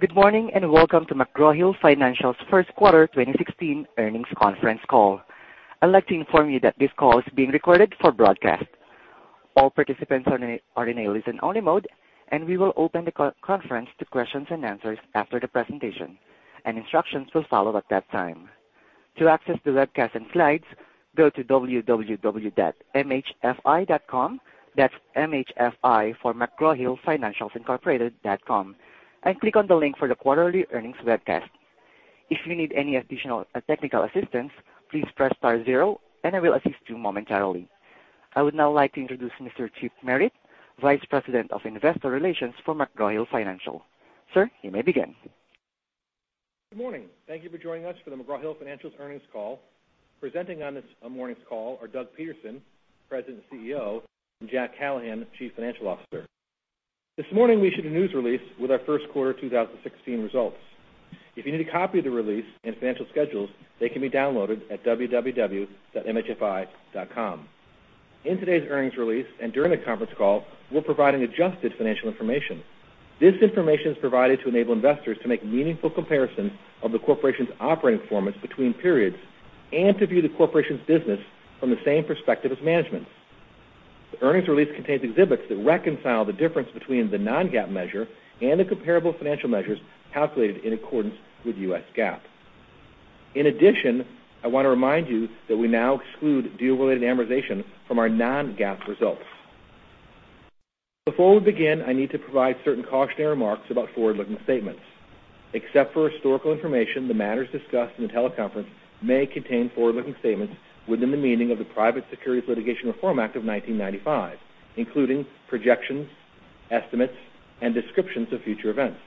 Good morning. Welcome to McGraw Hill Financial's first quarter 2016 earnings conference call. I'd like to inform you that this call is being recorded for broadcast. All participants are in a listen-only mode. We will open the conference to questions and answers after the presentation. Instructions will follow at that time. To access the webcast and slides, go to www.mhfi.com. That's M-H-F-I for McGraw Hill Financial.com, and click on the link for the quarterly earnings webcast. If you need any additional technical assistance, please press star zero. I will assist you momentarily. I would now like to introduce Mr. Chip Merritt, Vice President of Investor Relations for McGraw Hill Financial. Sir, you may begin. Good morning. Thank you for joining us for the McGraw Hill Financial's earnings call. Presenting on this morning's call are Doug Peterson, President and Chief Executive Officer, and Jack Callahan, Chief Financial Officer. This morning we issued a news release with our first quarter 2016 results. If you need a copy of the release and financial schedules, they can be downloaded at www.mhfi.com. In today's earnings release and during the conference call, we'll provide adjusted financial information. This information is provided to enable investors to make meaningful comparisons of the corporation's operating performance between periods and to view the corporation's business from the same perspective as management. The earnings release contains exhibits that reconcile the difference between the non-GAAP measure and the comparable financial measures calculated in accordance with U.S. GAAP. In addition, I want to remind you that we now exclude deal-related amortization from our non-GAAP results. Before we begin, I need to provide certain cautionary remarks about forward-looking statements. Except for historical information, the matters discussed in the teleconference may contain forward-looking statements within the meaning of the Private Securities Litigation Reform Act of 1995, including projections, estimates, and descriptions of future events.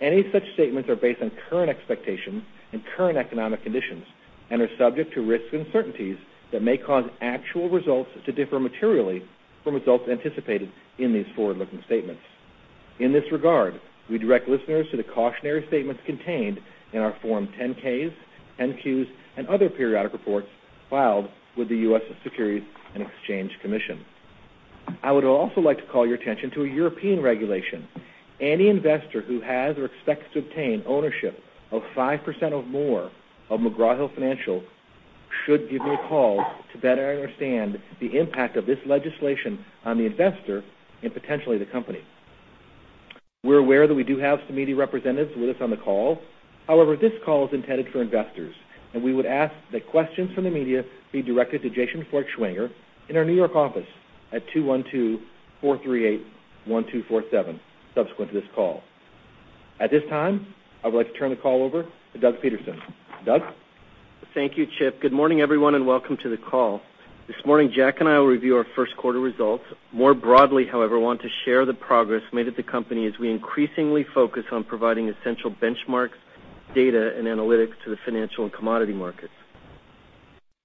Any such statements are based on current expectations and current economic conditions and are subject to risks and certainties that may cause actual results to differ materially from results anticipated in these forward-looking statements. In this regard, we direct listeners to the cautionary statements contained in our Form 10-Ks, 10-Qs, and other periodic reports filed with the U.S. Securities and Exchange Commission. I would also like to call your attention to a European regulation. Any investor who has or expects to obtain ownership of 5% or more of McGraw Hill Financial should give me a call to better understand the impact of this legislation on the investor and potentially the company. We're aware that we do have some media representatives with us on the call. However, this call is intended for investors. We would ask that questions from the media be directed to Jason Feuchtwanger in our New York office at 212-438-1247 subsequent to this call. At this time, I would like to turn the call over to Doug Peterson. Doug? Thank you, Chip. Good morning, everyone, and welcome to the call. This morning, Jack and I will review our first quarter results. More broadly, however, we want to share the progress made at the company as we increasingly focus on providing essential benchmarks, data, and analytics to the financial and commodity markets.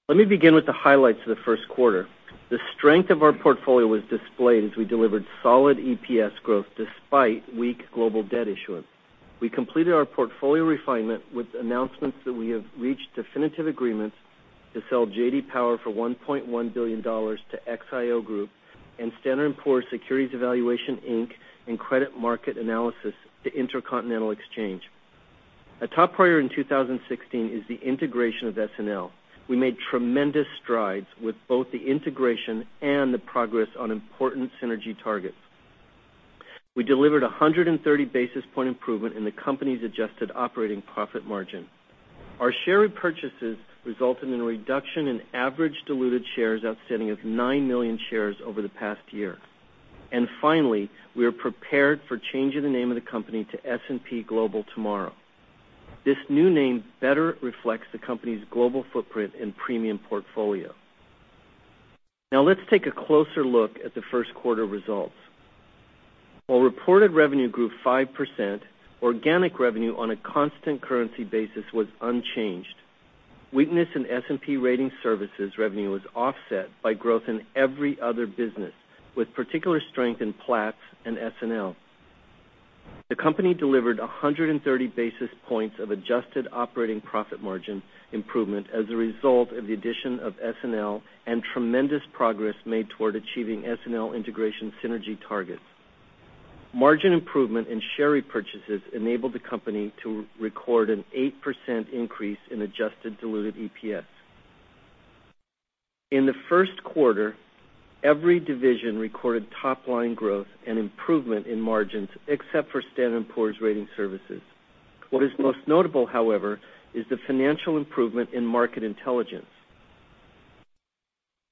Let me begin with the highlights of the first quarter. The strength of our portfolio was displayed as we delivered solid EPS growth despite weak global debt issuance. We completed our portfolio refinement with announcements that we have reached definitive agreements to sell J.D. Power for $1.1 billion to XIO Group and Standard & Poor's Securities Evaluations Inc. and Credit Market Analysis to Intercontinental Exchange. A top priority in 2016 is the integration of SNL. We made tremendous strides with both the integration and the progress on important synergy targets. We delivered 130 basis point improvement in the company's adjusted operating profit margin. Our share repurchases resulted in a reduction in average diluted shares outstanding of 9 million shares over the past year. Finally, we are prepared for changing the name of the company to S&P Global tomorrow. This new name better reflects the company's global footprint and premium portfolio. Now let's take a closer look at the first quarter results. While reported revenue grew 5%, organic revenue on a constant currency basis was unchanged. Weakness in S&P Ratings Services revenue was offset by growth in every other business, with particular strength in Platts and SNL. The company delivered 130 basis points of adjusted operating profit margin improvement as a result of the addition of SNL and tremendous progress made toward achieving SNL integration synergy targets. Margin improvement and share repurchases enabled the company to record an 8% increase in adjusted diluted EPS. In the first quarter, every division recorded top-line growth and improvement in margins except for Standard & Poor's Ratings Services. What is most notable, however, is the financial improvement in Market Intelligence.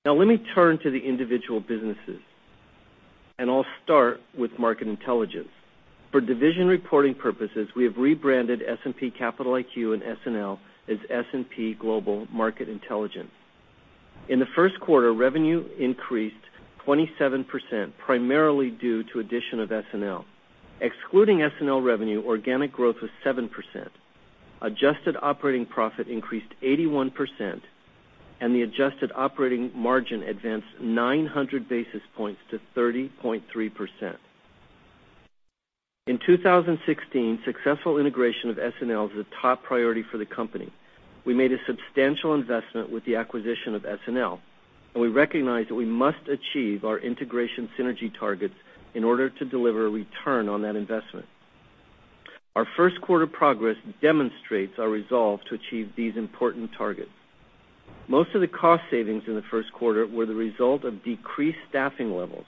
Now let me turn to the individual businesses, and I'll start with Market Intelligence. For division reporting purposes, we have rebranded S&P Capital IQ and SNL as S&P Global Market Intelligence. In the first quarter, revenue increased 27%, primarily due to addition of SNL. Excluding SNL revenue, organic growth was 7%. Adjusted operating profit increased 81%, and the adjusted operating margin advanced 900 basis points to 30.3%. In 2016, successful integration of SNL is a top priority for the company. We made a substantial investment with the acquisition of SNL. We recognize that we must achieve our integration synergy targets in order to deliver a return on that investment. Our first quarter progress demonstrates our resolve to achieve these important targets. Most of the cost savings in the first quarter were the result of decreased staffing levels.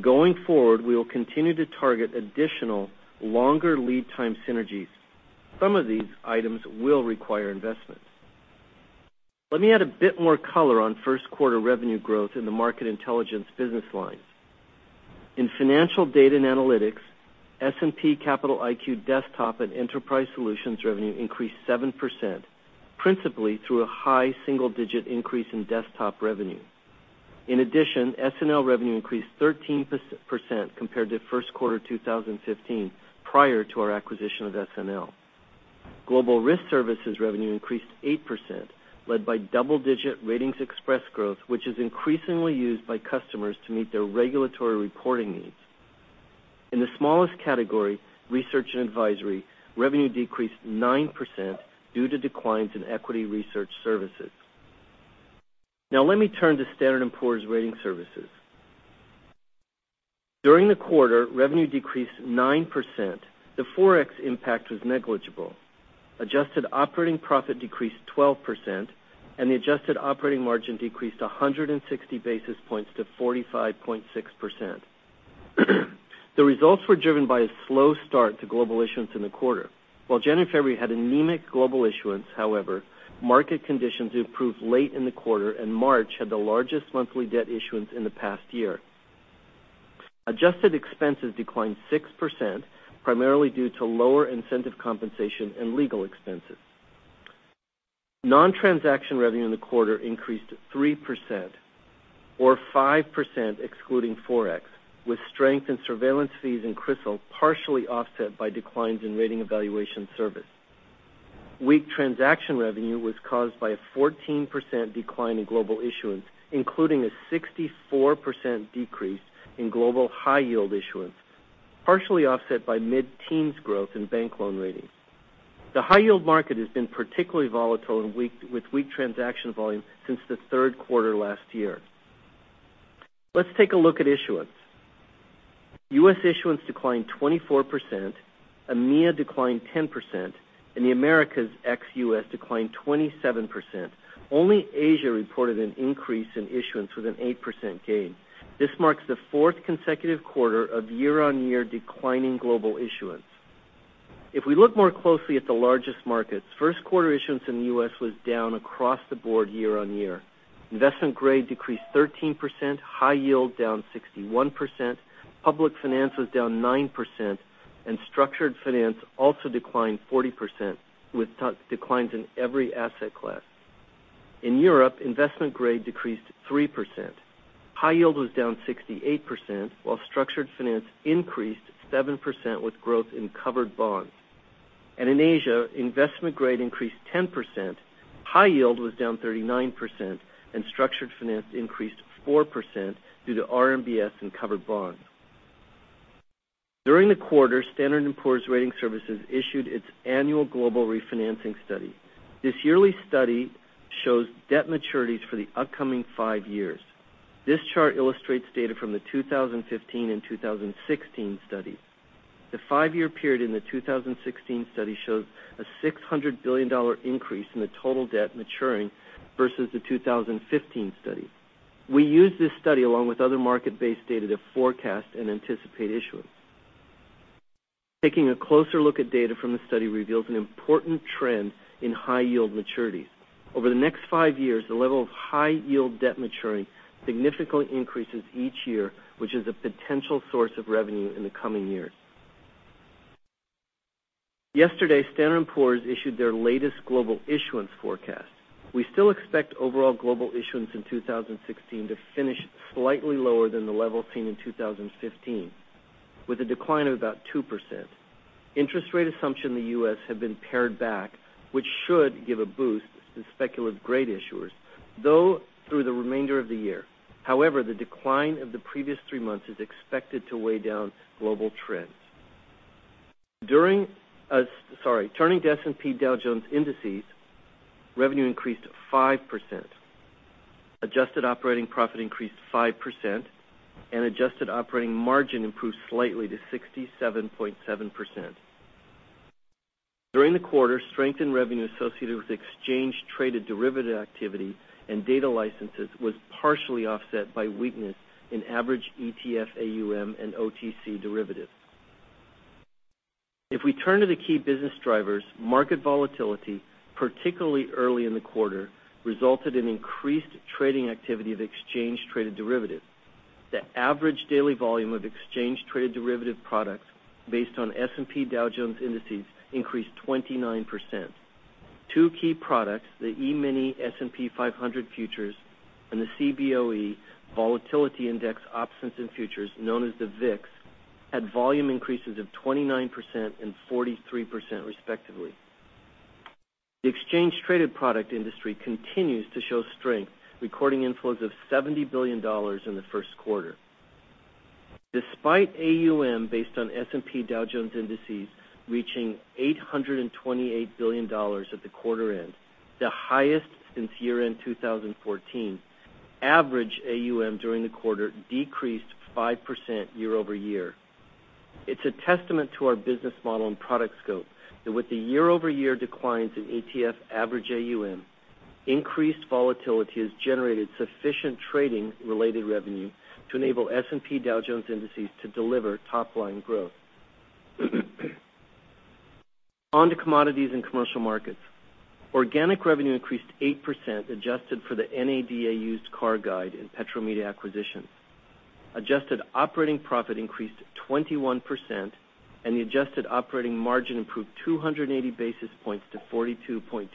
Going forward, we will continue to target additional longer lead time synergies. Some of these items will require investment. Let me add a bit more color on first quarter revenue growth in the Market Intelligence business lines. In financial data and analytics, S&P Capital IQ Desktop and Enterprise Solutions revenue increased 7%, principally through a high single-digit increase in desktop revenue. In addition, SNL revenue increased 13% compared to first quarter 2015, prior to our acquisition of SNL. Global Risk Services revenue increased 8%, led by double-digit RatingsXpress growth, which is increasingly used by customers to meet their regulatory reporting needs. In the smallest category, Research and Advisory, revenue decreased 9% due to declines in equity research services. Let me turn to Standard & Poor's Ratings Services. During the quarter, revenue decreased 9%. The Forex impact was negligible. Adjusted operating profit decreased 12%, and the adjusted operating margin decreased 160 basis points to 45.6%. The results were driven by a slow start to global issuance in the quarter. While January, February had anemic global issuance, however, market conditions improved late in the quarter, and March had the largest monthly debt issuance in the past year. Adjusted expenses declined 6%, primarily due to lower incentive compensation and legal expenses. Non-transaction revenue in the quarter increased 3%, or 5% excluding Forex, with strength in surveillance fees and CRISIL partially offset by declines in rating evaluation service. Weak transaction revenue was caused by a 14% decline in global issuance, including a 64% decrease in global high yield issuance, partially offset by mid-teens growth in bank loan ratings. The high yield market has been particularly volatile with weak transaction volume since the third quarter last year. Let's take a look at issuance. U.S. issuance declined 24%, EMEA declined 10%, and the Americas ex-U.S. declined 27%. Only Asia reported an increase in issuance with an 8% gain. This marks the fourth consecutive quarter of year-over-year declining global issuance. If we look more closely at the largest markets, first quarter issuance in the U.S. was down across the board year-over-year. Investment grade decreased 13%, high yield down 61%, public finance was down 9%, and structured finance also declined 40%, with declines in every asset class. In Europe, investment grade decreased 3%. High yield was down 68%, while structured finance increased 7% with growth in covered bonds. In Asia, investment grade increased 10%, high yield was down 39%, and structured finance increased 4% due to RMBS and covered bonds. During the quarter, Standard & Poor's Ratings Services issued its annual global refinancing study. This yearly study shows debt maturities for the upcoming five years. This chart illustrates data from the 2015 and 2016 study. The five-year period in the 2016 study shows a $600 billion increase in the total debt maturing versus the 2015 study. We use this study along with other market-based data to forecast and anticipate issuance. Taking a closer look at data from the study reveals an important trend in high yield maturities. Over the next five years, the level of high yield debt maturing significantly increases each year, which is a potential source of revenue in the coming years. Yesterday, Standard & Poor's issued their latest global issuance forecast. We still expect overall global issuance in 2016 to finish slightly lower than the level seen in 2015, with a decline of about 2%. Interest rate assumption in the U.S. have been pared back, which should give a boost to speculative grade issuers, though through the remainder of the year. The decline of the previous three months is expected to weigh down global trends. Turning to S&P Dow Jones Indices, revenue increased 5%. Adjusted operating profit increased 5%, and adjusted operating margin improved slightly to 67.7%. During the quarter, strength in revenue associated with exchange-traded derivative activity and data licenses was partially offset by weakness in average ETF AUM and OTC derivatives. If we turn to the key business drivers, market volatility, particularly early in the quarter, resulted in increased trading activity of exchange-traded derivatives. The average daily volume of exchange-traded derivative products based on S&P Dow Jones Indices increased 29%. Two key products, the E-mini S&P 500 futures and the Cboe Volatility Index options and futures, known as the VIX, had volume increases of 29% and 43% respectively. The exchange-traded product industry continues to show strength, recording inflows of $70 billion in the first quarter. Despite AUM based on S&P Dow Jones Indices reaching $828 billion at the quarter end, the highest since year-end 2014, average AUM during the quarter decreased 5% year-over-year. It's a testament to our business model and product scope that with the year-over-year declines in ETF average AUM, increased volatility has generated sufficient trading-related revenue to enable S&P Dow Jones Indices to deliver top-line growth. On to commodities and commercial markets. Organic revenue increased 8%, adjusted for the NADA Used Car Guide and Petromedia acquisition. Adjusted operating profit increased 21%, and the adjusted operating margin improved 280 basis points to 42.2%.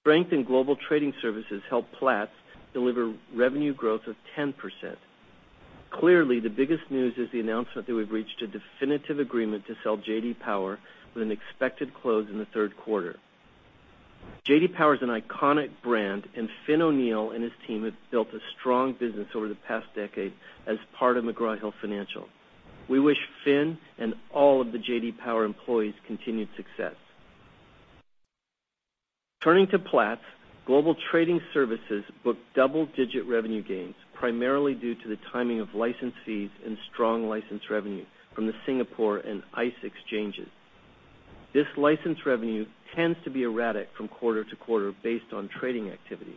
Strength in Global Trading Services helped Platts deliver revenue growth of 10%. Clearly, the biggest news is the announcement that we've reached a definitive agreement to sell J.D. Power with an expected close in the third quarter. J.D. Power is an iconic brand, and Finn O'Neill and his team have built a strong business over the past decade as part of McGraw Hill Financial. We wish Finn and all of the J.D. Power employees continued success. Turning to Platts, Global Trading Services booked double-digit revenue gains, primarily due to the timing of license fees and strong license revenue from the Singapore Exchange and ICE exchanges. This license revenue tends to be erratic from quarter-to-quarter based on trading activity.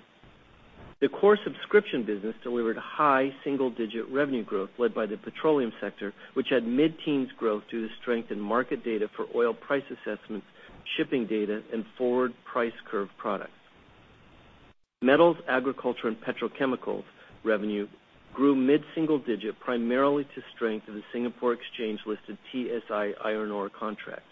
The core subscription business delivered high single-digit revenue growth led by the petroleum sector, which had mid-teens growth due to strength in market data for oil price assessments, shipping data, and forward price curve products. Metals, agriculture, and petrochemicals revenue grew mid-single-digit, primarily to strength of the Singapore Exchange-listed TSI Iron Ore contract.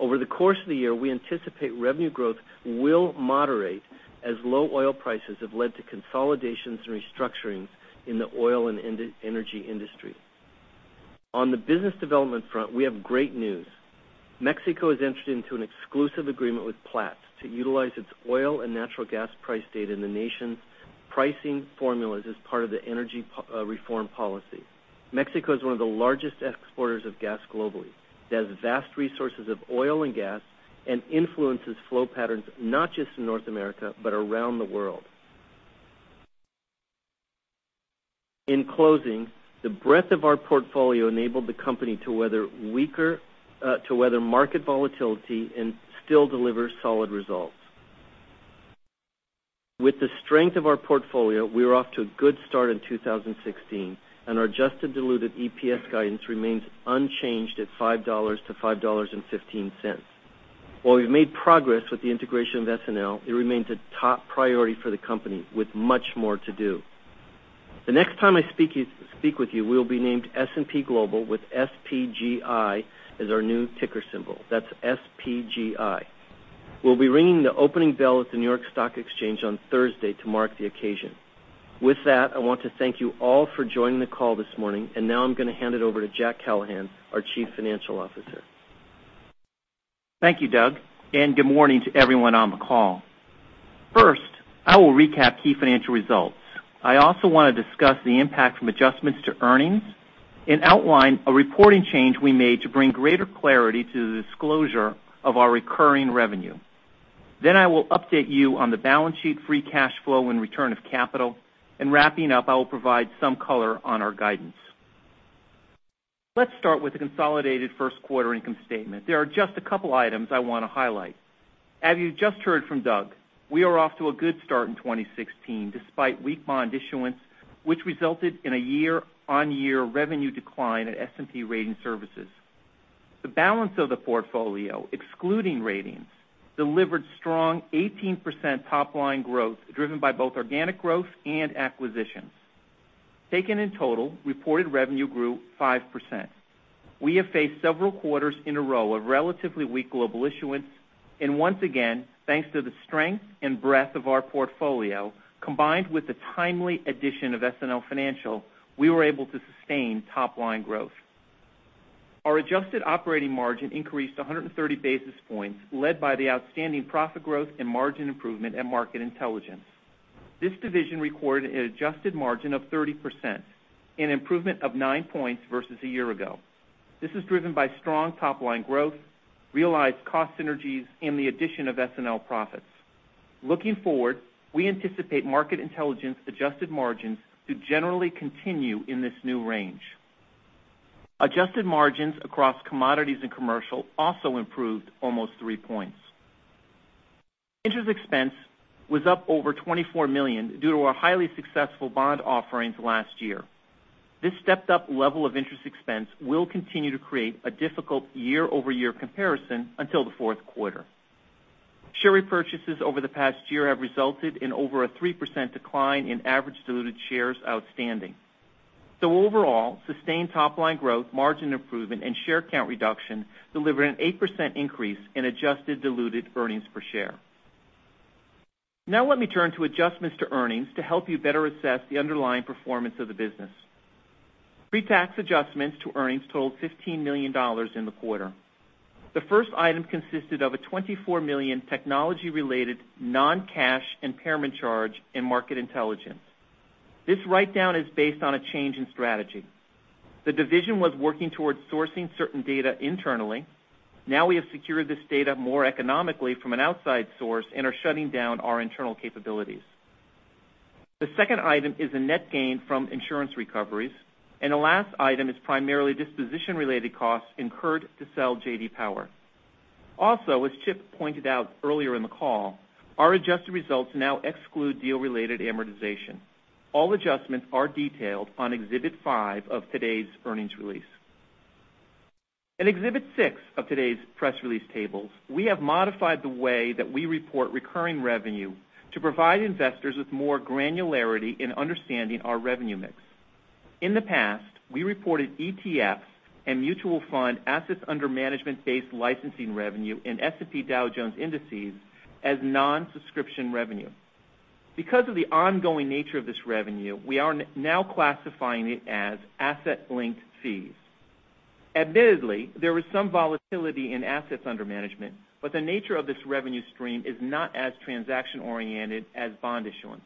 Over the course of the year, we anticipate revenue growth will moderate as low oil prices have led to consolidations and restructurings in the oil and energy industry. On the business development front, we have great news. Mexico has entered into an exclusive agreement with Platts to utilize its oil and natural gas price data in the nation's pricing formulas as part of the energy reform policy. Mexico is one of the largest exporters of gas globally. It has vast resources of oil and gas, and influences flow patterns, not just in North America, but around the world. In closing, the breadth of our portfolio enabled the company to weather market volatility and still deliver solid results. With the strength of our portfolio, we are off to a good start in 2016, and our adjusted diluted EPS guidance remains unchanged at $5 to $5.15. While we've made progress with the integration of SNL Financial, it remains a top priority for the company with much more to do. The next time I speak with you, we will be named S&P Global with SPGI as our new ticker symbol. That's SPGI. We'll be ringing the opening bell at the New York Stock Exchange on Thursday to mark the occasion. With that, I want to thank you all for joining the call this morning. Now I'm going to hand it over to Jack Callahan, our Chief Financial Officer. Thank you, Doug. Good morning to everyone on the call. First, I will recap key financial results. I also want to discuss the impact from adjustments to earnings and outline a reporting change we made to bring greater clarity to the disclosure of our recurring revenue. I will update you on the balance sheet free cash flow and return of capital. Wrapping up, I will provide some color on our guidance. Let's start with the consolidated first quarter income statement. There are just a couple items I want to highlight. As you just heard from Doug, we are off to a good start in 2016, despite weak bond issuance, which resulted in a year-on-year revenue decline at S&P Ratings Services. The balance of the portfolio, excluding ratings, delivered strong 18% top-line growth, driven by both organic growth and acquisitions. Taken in total, reported revenue grew 5%. We have faced several quarters in a row of relatively weak global issuance. Once again, thanks to the strength and breadth of our portfolio, combined with the timely addition of SNL Financial, we were able to sustain top-line growth. Our adjusted operating margin increased 130 basis points, led by the outstanding profit growth and margin improvement at Market Intelligence. This division recorded an adjusted margin of 30%, an improvement of nine points versus a year ago. This is driven by strong top-line growth, realized cost synergies, and the addition of SNL profits. Looking forward, we anticipate Market Intelligence adjusted margins to generally continue in this new range. Adjusted margins across Commodities and Commercial also improved almost three points. Interest expense was up over $24 million due to our highly successful bond offerings last year. This stepped-up level of interest expense will continue to create a difficult year-over-year comparison until the fourth quarter. Share repurchases over the past year have resulted in over a 3% decline in average diluted shares outstanding. Overall, sustained top-line growth, margin improvement, and share count reduction delivered an 8% increase in adjusted diluted earnings per share. Let me turn to adjustments to earnings to help you better assess the underlying performance of the business. Pre-tax adjustments to earnings totaled $15 million in the quarter. The first item consisted of a $24 million technology-related non-cash impairment charge in Market Intelligence. This write-down is based on a change in strategy. The division was working towards sourcing certain data internally. Now we have secured this data more economically from an outside source and are shutting down our internal capabilities. The second item is a net gain from insurance recoveries. The last item is primarily disposition-related costs incurred to sell J.D. Power. Also, as Chip pointed out earlier in the call, our adjusted results now exclude deal-related amortization. All adjustments are detailed on Exhibit five of today's earnings release. In Exhibit six of today's press release tables, we have modified the way that we report recurring revenue to provide investors with more granularity in understanding our revenue mix. In the past, we reported ETF and mutual fund assets under management-based licensing revenue in S&P Dow Jones Indices as non-subscription revenue. Because of the ongoing nature of this revenue, we are now classifying it as asset-linked fees. Admittedly, there was some volatility in assets under management. The nature of this revenue stream is not as transaction-oriented as bond issuance.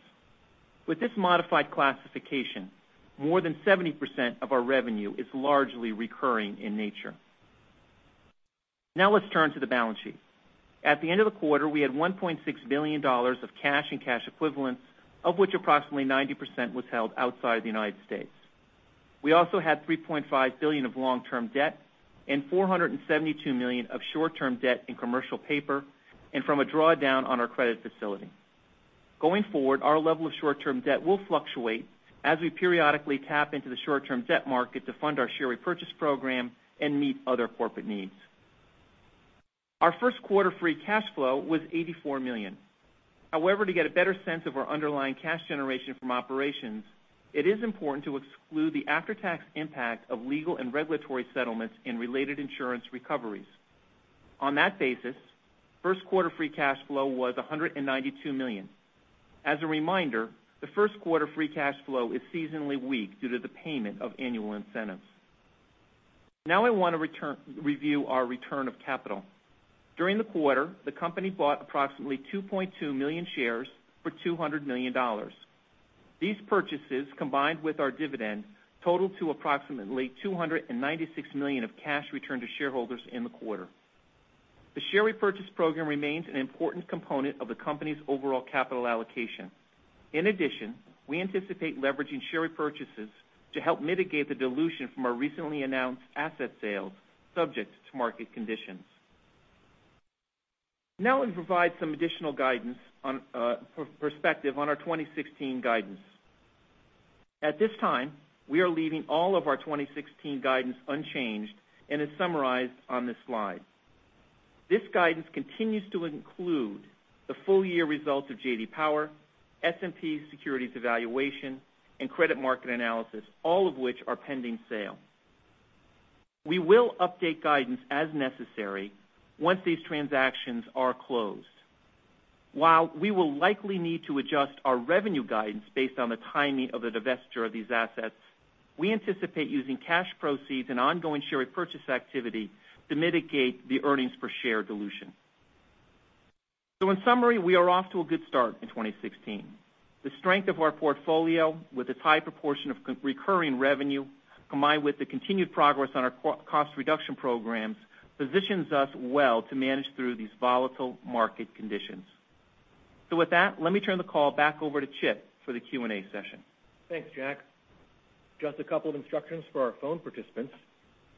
With this modified classification, more than 70% of our revenue is largely recurring in nature. Let's turn to the balance sheet. At the end of the quarter, we had $1.6 billion of cash and cash equivalents, of which approximately 90% was held outside the U.S. We also had $3.5 billion of long-term debt and $472 million of short-term debt in commercial paper and from a drawdown on our credit facility. Going forward, our level of short-term debt will fluctuate as we periodically tap into the short-term debt market to fund our share repurchase program and meet other corporate needs. Our first quarter free cash flow was $84 million. To get a better sense of our underlying cash generation from operations, it is important to exclude the after-tax impact of legal and regulatory settlements and related insurance recoveries. On that basis, first quarter free cash flow was $192 million. As a reminder, the first quarter free cash flow is seasonally weak due to the payment of annual incentives. I want to review our return of capital. During the quarter, the company bought approximately 2.2 million shares for $200 million. These purchases, combined with our dividend, totaled to approximately $296 million of cash returned to shareholders in the quarter. The share repurchase program remains an important component of the company's overall capital allocation. In addition, we anticipate leveraging share repurchases to help mitigate the dilution from our recently announced asset sales subject to market conditions. We provide some additional perspective on our 2016 guidance. At this time, we are leaving all of our 2016 guidance unchanged and is summarized on this slide. This guidance continues to include the full-year results of J.D. Power, S&P Securities Evaluations, and Credit Market Analysis, all of which are pending sale. We will update guidance as necessary once these transactions are closed. While we will likely need to adjust our revenue guidance based on the timing of the divesture of these assets, we anticipate using cash proceeds and ongoing share repurchase activity to mitigate the earnings per share dilution. In summary, we are off to a good start in 2016. The strength of our portfolio with its high proportion of recurring revenue, combined with the continued progress on our cost reduction programs, positions us well to manage through these volatile market conditions. With that, let me turn the call back over to Chip for the Q&A session. Thanks, Jack. Just a couple of instructions for our phone participants.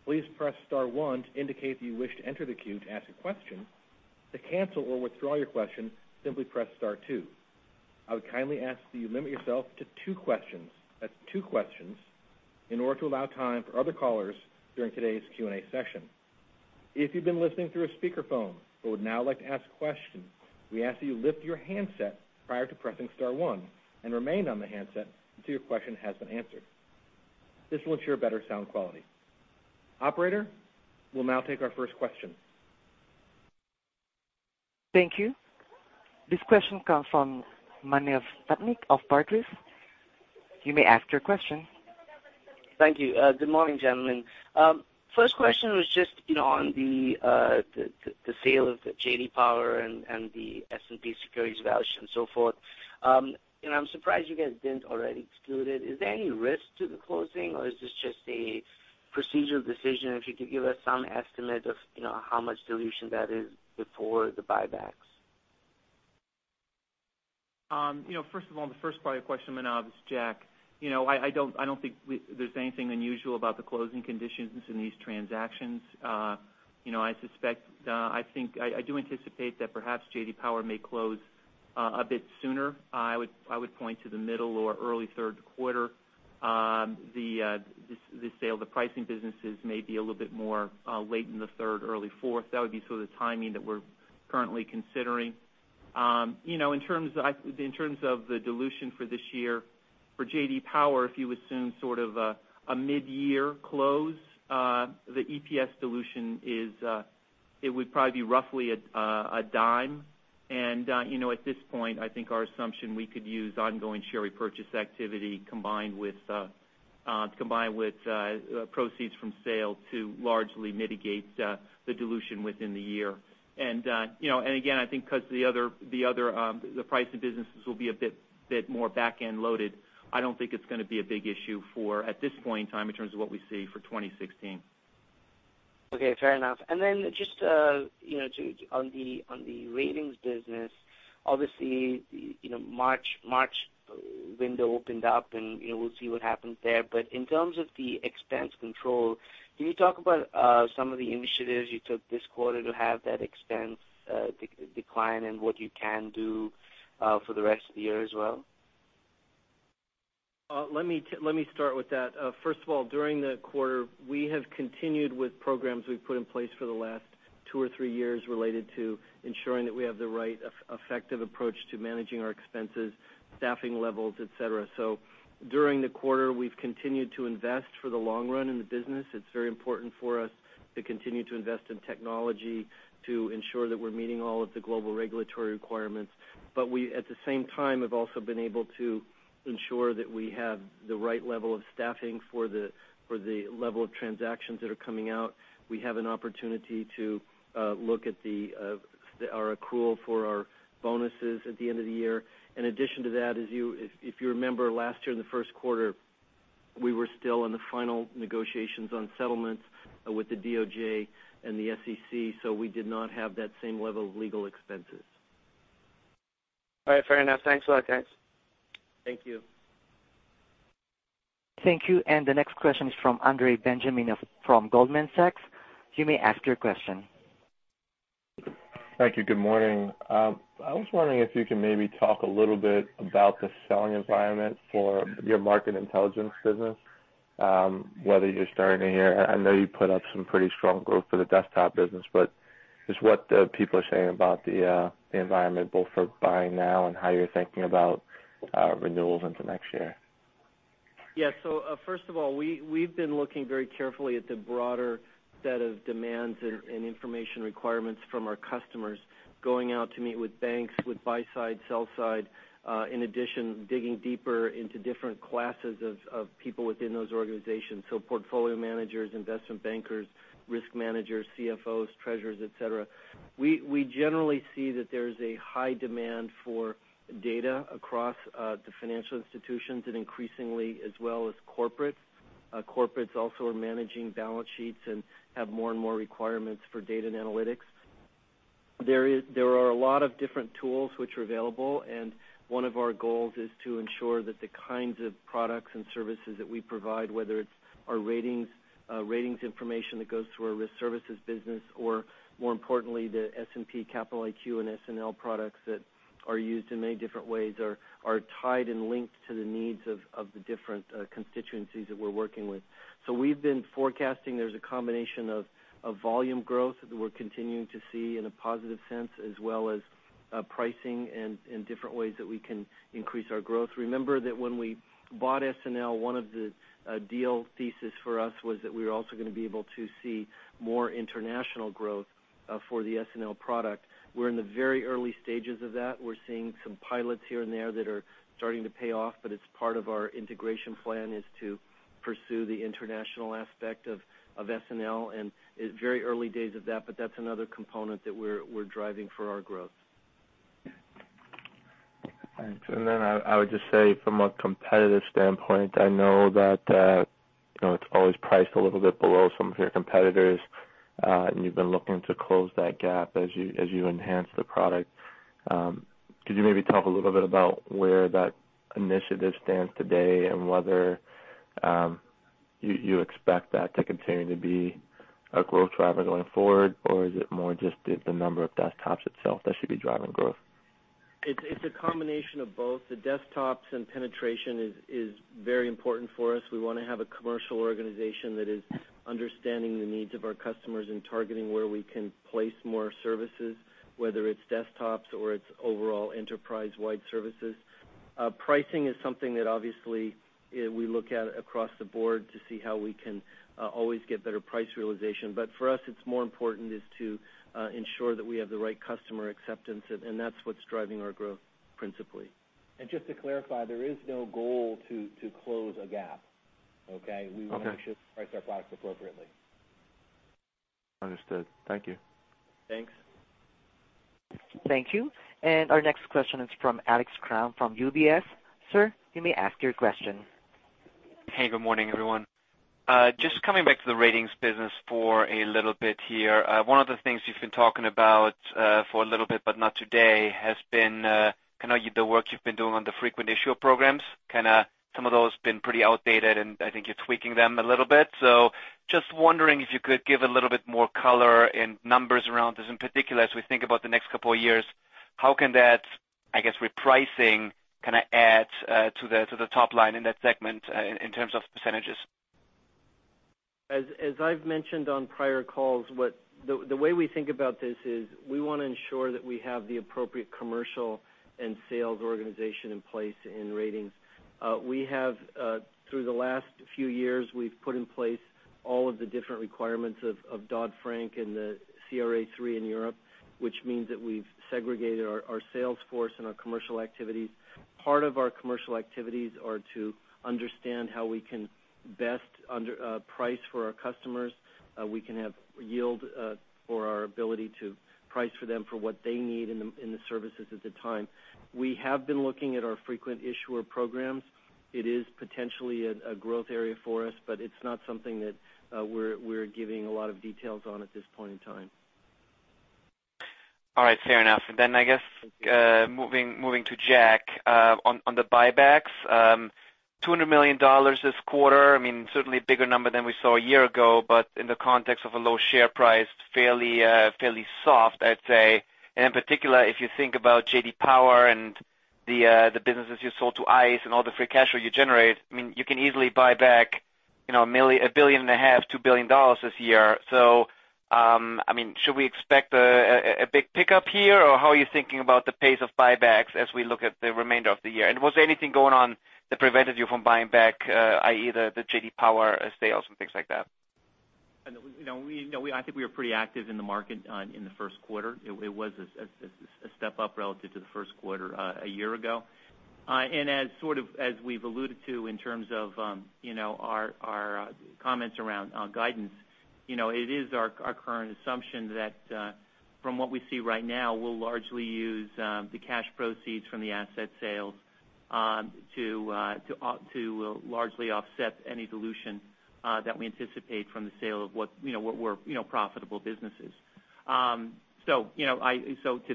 Please press star 1 to indicate that you wish to enter the queue to ask a question. To cancel or withdraw your question, simply press star 2. I would kindly ask that you limit yourself to two questions. That's two questions in order to allow time for other callers during today's Q&A session. If you've been listening through a speakerphone but would now like to ask a question, we ask that you lift your handset prior to pressing star 1 and remain on the handset until your question has been answered. This will ensure better sound quality. Operator, we'll now take our first question. Thank you. This question comes from Manav Patnaik of Barclays. You may ask your question. Thank you. Good morning, gentlemen. First question was just on the sale of J.D. Power and the S&P Securities Evaluations and so forth. I'm surprised you guys didn't already exclude it. Is there any risk to the closing, or is this just a procedural decision? If you could give us some estimate of how much dilution that is before the buybacks. First of all, the first part of your question, Manav, is Jack. I don't think there's anything unusual about the closing conditions in these transactions. I do anticipate that perhaps J.D. Power may close a bit sooner. I would point to the middle or early third quarter. The sale of the pricing businesses may be a little bit more late in the third, early fourth. That would be the timing that we're currently considering. In terms of the dilution for this year for J.D. Power, if you assume sort of a mid-year close, the EPS dilution. It would probably be roughly $0.10. At this point, I think our assumption, we could use ongoing share repurchase activity combined with proceeds from sale to largely mitigate the dilution within the year. Again, I think because the price of businesses will be a bit more back-end loaded, I don't think it's going to be a big issue at this point in time in terms of what we see for 2016. Okay. Fair enough. Then just on the ratings business, obviously, March window opened up, and we'll see what happens there. In terms of the expense control, can you talk about some of the initiatives you took this quarter to have that expense decline and what you can do for the rest of the year as well? Let me start with that. First of all, during the quarter, we have continued with programs we've put in place for the last two or three years related to ensuring that we have the right effective approach to managing our expenses, staffing levels, et cetera. During the quarter, we've continued to invest for the long run in the business. It's very important for us to continue to invest in technology to ensure that we're meeting all of the global regulatory requirements. But we, at the same time, have also been able to ensure that we have the right level of staffing for the level of transactions that are coming out. We have an opportunity to look at our accrual for our bonuses at the end of the year. In addition to that, if you remember last year in the first quarter, we were still in the final negotiations on settlements with the DOJ and the SEC, so we did not have that same level of legal expenses. All right. Fair enough. Thanks a lot, guys. Thank you. Thank you. The next question is from Andre Benjamin from Goldman Sachs. You may ask your question. Thank you. Good morning. I was wondering if you can maybe talk a little bit about the selling environment for your Market Intelligence business, whether you're starting to hear I know you put up some pretty strong growth for the desktop business, but just what the people are saying about the environment, both for buying now and how you're thinking about renewals into next year. Yeah. First of all, we've been looking very carefully at the broader set of demands and information requirements from our customers, going out to meet with banks, with buy side, sell side. In addition, digging deeper into different classes of people within those organizations, so portfolio managers, investment bankers, risk managers, CFOs, treasurers, et cetera. We generally see that there's a high demand for data across the financial institutions and increasingly as well as corporates. Corporates also are managing balance sheets and have more and more requirements for data and analytics. There are a lot of different tools which are available, and one of our goals is to ensure that the kinds of products and services that we provide, whether it's our risk services business, or more importantly, the S&P Capital IQ and SNL products that are used in many different ways are tied and linked to the needs of the different constituencies that we're working with. We've been forecasting there's a combination of volume growth that we're continuing to see in a positive sense, as well as pricing and different ways that we can increase our growth. Remember that when we bought SNL, one of the deal thesis for us was that we were also going to be able to see more international growth for the SNL product. We're in the very early stages of that. We're seeing some pilots here and there that are starting to pay off, but it's part of our integration plan is to pursue the international aspect of SNL. It's very early days of that, but that's another component that we're driving for our growth. Thanks. Then I would just say from a competitive standpoint, I know that it's always priced a little bit below some of your competitors, and you've been looking to close that gap as you enhance the product. Could you maybe talk a little bit about where that initiative stands today and whether you expect that to continue to be a growth driver going forward? Or is it more just the number of desktops itself that should be driving growth? It's a combination of both. The desktops and penetration is very important for us. We want to have a commercial organization that is understanding the needs of our customers and targeting where we can place more services, whether it's desktops or it's overall enterprise-wide services. Pricing is something that obviously we look at across the board to see how we can always get better price realization. For us, it's more important is to ensure that we have the right customer acceptance, and that's what's driving our growth principally. Just to clarify, there is no goal to close a gap. Okay? Okay. We want to make sure to price our products appropriately. Understood. Thank you. Thanks. Thank you. Our next question is from Alex Kramm from UBS. Sir, you may ask your question. Hey, good morning, everyone. Just coming back to the ratings business for a little bit here. One of the things you've been talking about for a little bit, but not today, has been kind of the work you've been doing on the frequent issuer programs. Kind of some of those been pretty outdated, and I think you're tweaking them a little bit. Just wondering if you could give a little bit more color and numbers around this. In particular, as we think about the next couple of years, how can that, I guess, repricing kind of add to the top line in that segment in terms of percentages? As I've mentioned on prior calls, the way we think about this is we want to ensure that we have the appropriate commercial and sales organization in place in ratings. Through the last few years, we've put in place all of the different requirements of Dodd-Frank and the CRA3 in Europe, which means that we've segregated our sales force and our commercial activities. Part of our commercial activities are to understand how we can best price for our customers. We can have yield for our ability to price for them for what they need in the services at the time. We have been looking at our frequent issuer programs. It is potentially a growth area for us, but it's not something that we're giving a lot of details on at this point in time. All right, fair enough. I guess, moving to Jack. On the buybacks, $200 million this quarter. Certainly a bigger number than we saw a year ago, but in the context of a low share price, fairly soft, I'd say. In particular, if you think about J.D. Power and the businesses you sold to ICE and all the free cash flow you generate, you can easily buy back a billion and a half, $2 billion this year. Should we expect a big pickup here, or how are you thinking about the pace of buybacks as we look at the remainder of the year? Was there anything going on that prevented you from buying back, i.e. the J.D. Power sales and things like that? I think we were pretty active in the market in the first quarter. It was a step up relative to the first quarter a year ago. As we've alluded to in terms of our comments around guidance, it is our current assumption that from what we see right now, we'll largely use the cash proceeds from the asset sales to largely offset any dilution that we anticipate from the sale of what were profitable businesses. To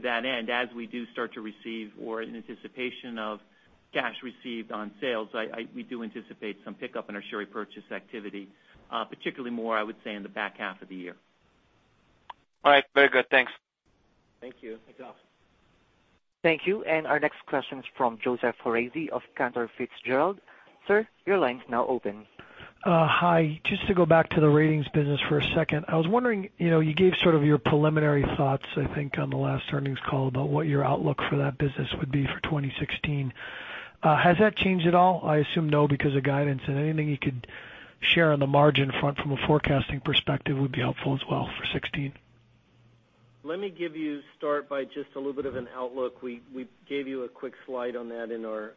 that end, as we do start to receive or in anticipation of cash received on sales, we do anticipate some pickup in our share repurchase activity, particularly more, I would say, in the back half of the year. All right, very good. Thanks. Thank you. [inaudible] Thank you. Our next question is from Joseph Foresi of Cantor Fitzgerald. Sir, your line is now open. Hi. Just to go back to the ratings business for a second. I was wondering, you gave sort of your preliminary thoughts, I think, on the last earnings call about what your outlook for that business would be for 2016. Has that changed at all? I assume no, because of guidance. Anything you could share on the margin front from a forecasting perspective would be helpful as well for 2016. Let me give you start by just a little bit of an outlook. We gave you a quick slide on that in our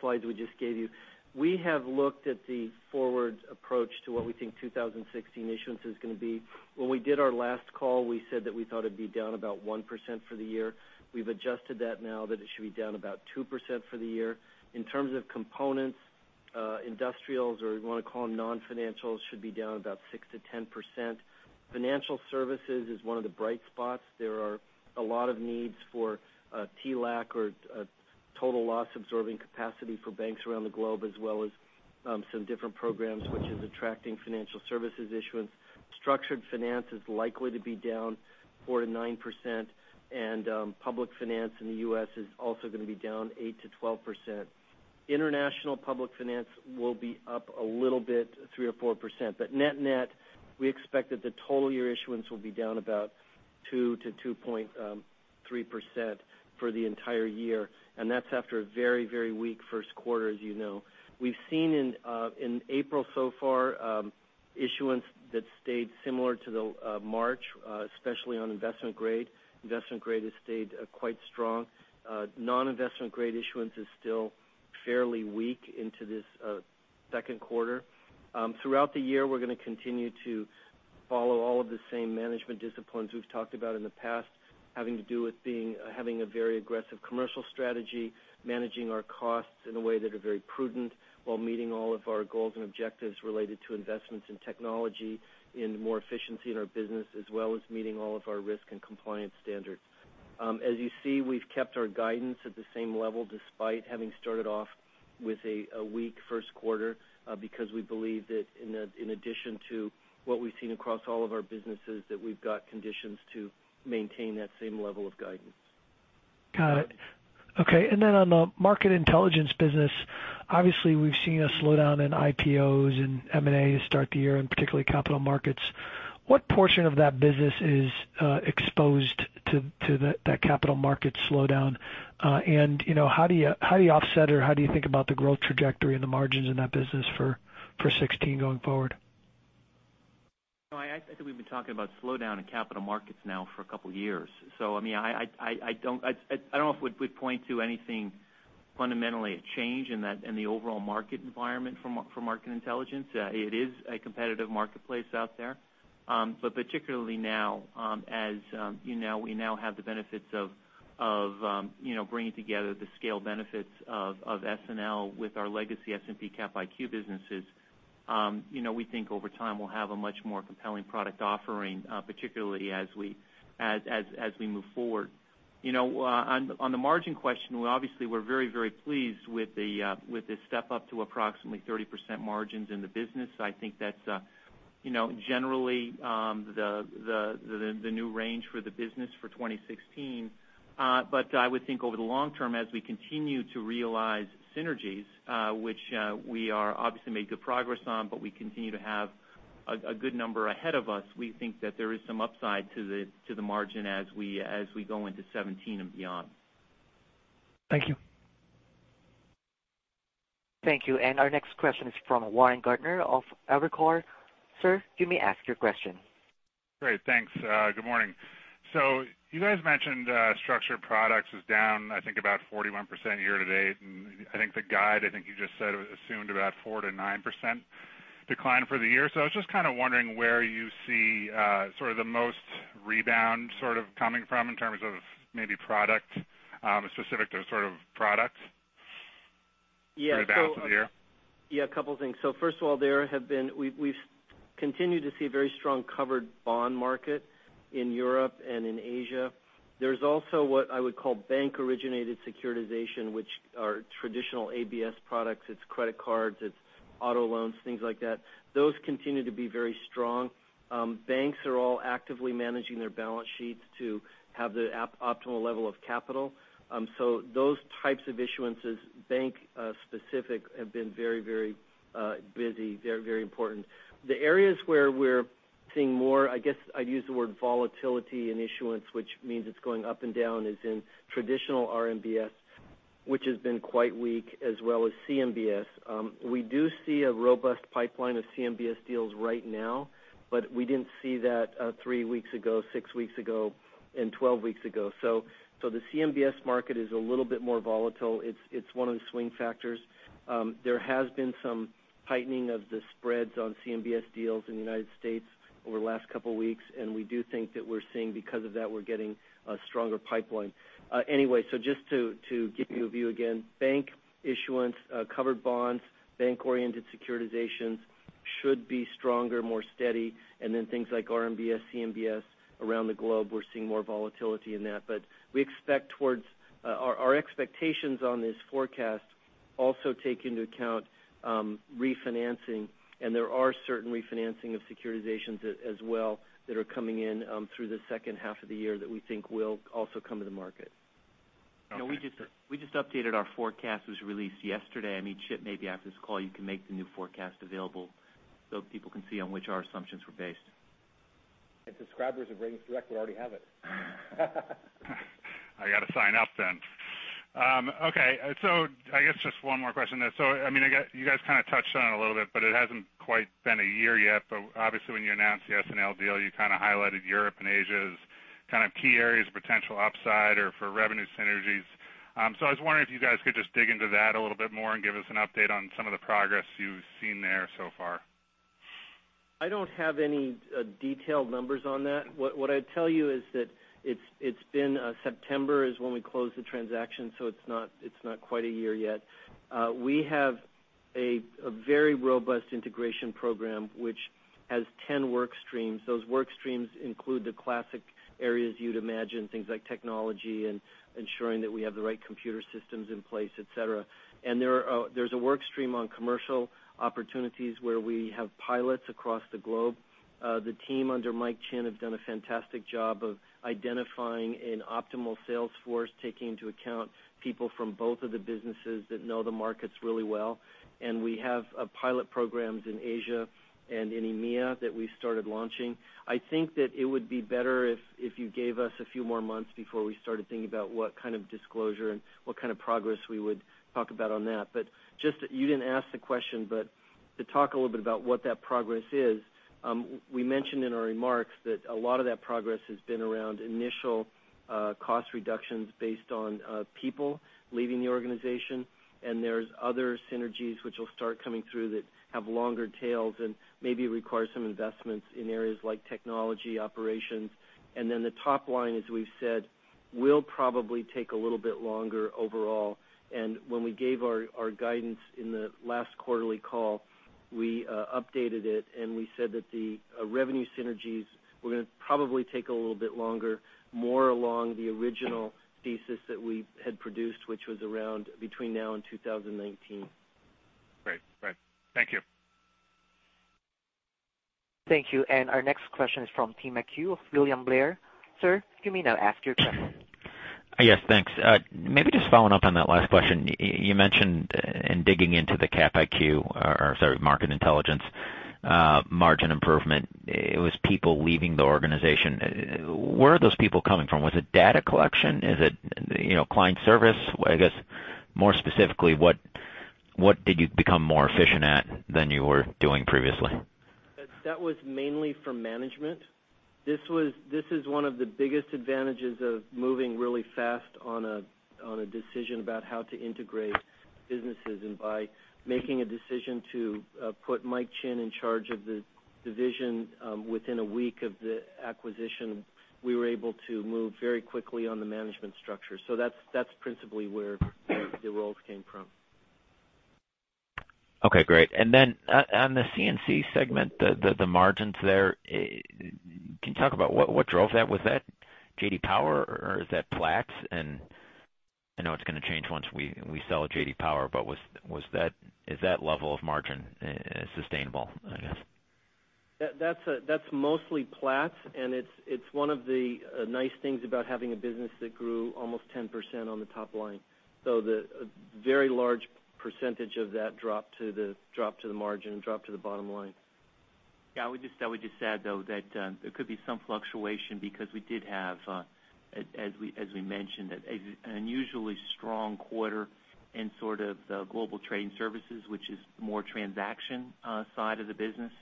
slides we just gave you. We have looked at the forward approach to what we think 2016 issuance is going to be. When we did our last call, we said that we thought it'd be down about 1% for the year. We've adjusted that now that it should be down about 2% for the year. In terms of components, industrials, or you want to call them non-financials, should be down about 6%-10%. Financial services is one of the bright spots. There are a lot of needs for TLAC or Total Loss-Absorbing Capacity for banks around the globe, as well as some different programs, which is attracting financial services issuance. Structured finance is likely to be down 4%-9%, public finance in the U.S. is also going to be down 8%-12%. International public finance will be up a little bit, 3% or 4%. Net-net, we expect that the total year issuance will be down about 2%-2.3% for the entire year. That's after a very weak first quarter, as you know. We've seen in April so far, issuance that stayed similar to March, especially on investment grade. Investment grade has stayed quite strong. Non-investment-grade issuance is still fairly weak into this second quarter. Throughout the year, we're going to continue to follow all of the same management disciplines we've talked about in the past, having to do with having a very aggressive commercial strategy, managing our costs in a way that are very prudent while meeting all of our goals and objectives related to investments in technology and more efficiency in our business, as well as meeting all of our risk and compliance standards. As you see, we've kept our guidance at the same level despite having started off with a weak first quarter because we believe that in addition to what we've seen across all of our businesses, that we've got conditions to maintain that same level of guidance. Got it. Okay. Then on the Market Intelligence business, obviously we've seen a slowdown in IPOs and M&A to start the year, and particularly capital markets. What portion of that business is exposed to that capital market slowdown? How do you offset, or how do you think about the growth trajectory and the margins in that business for 2016 going forward? I think we've been talking about slowdown in capital markets now for a couple of years. I don't know if we'd point to anything fundamentally a change in the overall market environment for Market Intelligence. It is a competitive marketplace out there. Particularly now, as we now have the benefits of bringing together the scale benefits of SNL with our legacy S&P Capital IQ businesses. We think over time we'll have a much more compelling product offering, particularly as we move forward. On the margin question, obviously we're very pleased with the step up to approximately 30% margins in the business. I think that's Generally, the new range for the business for 2016. I would think over the long term, as we continue to realize synergies, which we are obviously made good progress on, but we continue to have a good number ahead of us. We think that there is some upside to the margin as we go into 2017 and beyond. Thank you. Thank you. Our next question is from Warren Gardiner of Evercore. Sir, you may ask your question. Great. Thanks. Good morning. You guys mentioned structured products is down, I think, about 41% year-to-date. The guide, I think you just said, assumed about 4%-9% decline for the year. I was just kind of wondering where you see sort of the most rebound sort of coming from in terms of maybe product, specific to sort of products for the balance of the year. Yeah. A couple things. First of all, we've continued to see a very strong covered bond market in Europe and in Asia. There's also what I would call bank-originated securitization, which are traditional ABS products. It's credit cards, it's auto loans, things like that. Those continue to be very strong. Banks are all actively managing their balance sheets to have the optimal level of capital. Those types of issuances, bank specific, have been very busy. They're very important. The areas where we're seeing more, I guess I'd use the word volatility in issuance, which means it's going up and down, is in traditional RMBS, which has been quite weak, as well as CMBS. We do see a robust pipeline of CMBS deals right now, but we didn't see that three weeks ago, six weeks ago and 12 weeks ago. The CMBS market is a little bit more volatile. It's one of the swing factors. There has been some tightening of the spreads on CMBS deals in the U.S. over the last couple weeks. We do think that we're seeing because of that, we're getting a stronger pipeline. Just to give you a view again. Bank issuance, covered bonds, bank-oriented securitization should be stronger, more steady. Things like RMBS, CMBS around the globe, we're seeing more volatility in that. Our expectations on this forecast also take into account refinancing. There are certain refinancing of securitizations as well that are coming in through the second half of the year that we think will also come to the market. Okay. We just updated our forecast, it was released yesterday. I mean, Chip, maybe after this call, you can make the new forecast available so people can see on which our assumptions were based. Subscribers of RatingsDirect will already have it. I got to sign up then. Okay. I guess just one more question then. You guys kind of touched on it a little bit, but it hasn't quite been a year yet, but obviously when you announced the SNL deal, you kind of highlighted Europe and Asia as kind of key areas of potential upside or for revenue synergies. I was wondering if you guys could just dig into that a little bit more and give us an update on some of the progress you've seen there so far. I don't have any detailed numbers on that. What I'd tell you is that it's been September is when we closed the transaction, so it's not quite a year yet. We have a very robust integration program which has 10 work streams. Those work streams include the classic areas you'd imagine, things like technology and ensuring that we have the right computer systems in place, et cetera. There's a work stream on commercial opportunities where we have pilots across the globe. The team under Mike Chinn have done a fantastic job of identifying an optimal sales force, taking into account people from both of the businesses that know the markets really well. We have pilot programs in Asia and in EMEA that we started launching. I think that it would be better if you gave us a few more months before we started thinking about what kind of disclosure and what kind of progress we would talk about on that. You didn't ask the question, but to talk a little bit about what that progress is. We mentioned in our remarks that a lot of that progress has been around initial cost reductions based on people leaving the organization. There's other synergies which will start coming through that have longer tails and maybe require some investments in areas like technology operations. The top line, as we've said, will probably take a little bit longer overall. When we gave our guidance in the last quarterly call, we updated it, and we said that the revenue synergies were going to probably take a little bit longer, more along the original thesis that we had produced, which was around between now and 2019. Great. Thank you. Thank you. Our next question is from Tim McHugh of William Blair. Sir, you may now ask your question. Yes, thanks. Maybe just following up on that last question. You mentioned in digging into the Capital IQ, or sorry, S&P Global Market Intelligence margin improvement, it was people leaving the organization. Where are those people coming from? Was it data collection? Is it client service? I guess more specifically, what did you become more efficient at than you were doing previously? That was mainly from management. This is one of the biggest advantages of moving really fast on a decision about how to integrate businesses. By making a decision to put Mike Chinn in charge of the division within a week of the acquisition, we were able to move very quickly on the management structure. That's principally where the roles came from. Okay, great. On the C&C segment, the margins there, can you talk about what drove that? Was that J.D. Power or is that Platts? I know it's going to change once we sell J.D. Power, is that level of margin sustainable? I guess. That's mostly Platts, it's one of the nice things about having a business that grew almost 10% on the top line. The very large percentage of that dropped to the margin and dropped to the bottom line. Yeah. I would just add, though, that there could be some fluctuation because we did have, as we mentioned, an unusually strong quarter in sort of the Global Trading Services, which is more transaction side of the business.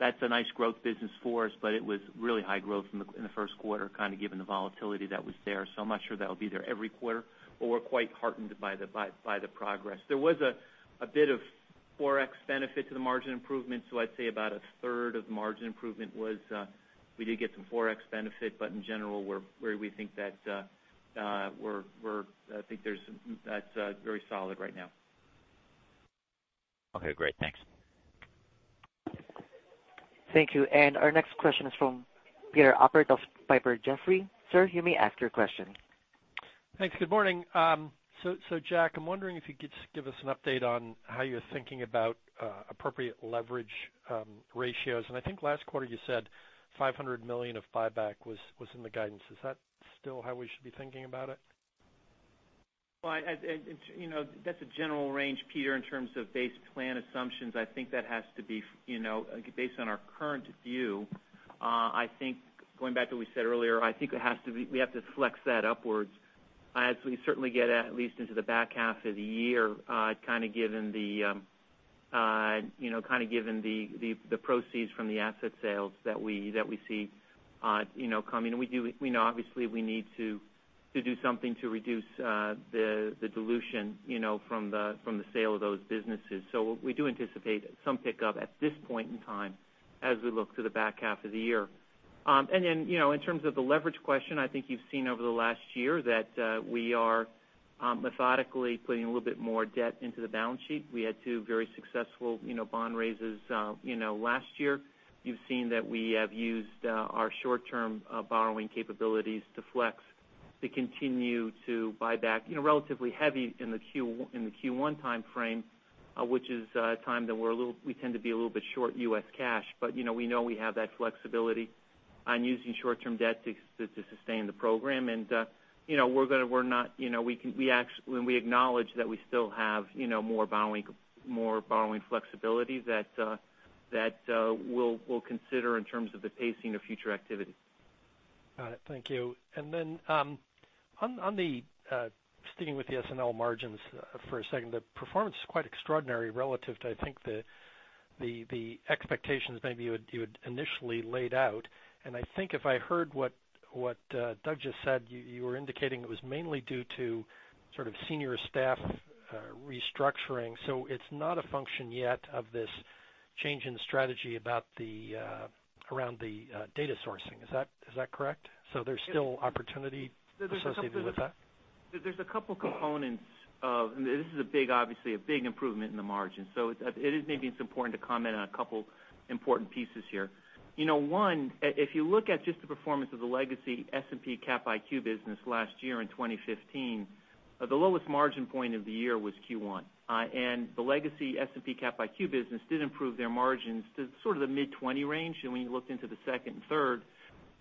That's a nice growth business for us, but it was really high growth in the first quarter, kind of given the volatility that was there. I'm not sure that'll be there every quarter, but we're quite heartened by the progress. There was a bit of Forex benefit to the margin improvement. I'd say about a third of the margin improvement was, we did get some Forex benefit, but in general, where we think that's very solid right now. Okay, great. Thanks. Thank you. Our next question is from Peter Appert of Piper Jaffray. Sir, you may ask your question. Thanks. Good morning. Jack, I'm wondering if you could just give us an update on how you're thinking about appropriate leverage ratios. I think last quarter you said $500 million of buyback was in the guidance. Is that still how we should be thinking about it? Well, that's a general range, Peter, in terms of base plan assumptions. I think that has to be based on our current view. I think going back to what we said earlier, I think we have to flex that upwards as we certainly get at least into the back half of the year, kind of given the proceeds from the asset sales that we see coming. We know obviously we need to do something to reduce the dilution from the sale of those businesses. We do anticipate some pickup at this point in time as we look to the back half of the year. Then, in terms of the leverage question, I think you've seen over the last year that we are methodically putting a little bit more debt into the balance sheet. We had two very successful bond raises last year. You've seen that we have used our short-term borrowing capabilities to flex, to continue to buy back relatively heavy in the Q1 timeframe, which is a time that we tend to be a little bit short U.S. cash. We know we have that flexibility on using short-term debt to sustain the program. We acknowledge that we still have more borrowing flexibility that we'll consider in terms of the pacing of future activity. Got it. Thank you. Then, sticking with the SNL margins for a second, the performance is quite extraordinary relative to, I think, the expectations maybe you had initially laid out. I think if I heard what Doug just said, you were indicating it was mainly due to sort of senior staff restructuring. It's not a function yet of this change in strategy around the data sourcing. Is that correct? There's still opportunity associated with that? There's a couple components of this is obviously a big improvement in the margin. Maybe it's important to comment on a couple important pieces here. One, if you look at just the performance of the legacy S&P Capital IQ business last year in 2015, the lowest margin point of the year was Q1. The legacy S&P Capital IQ business did improve their margins to sort of the mid 20 range, and we looked into the second and third.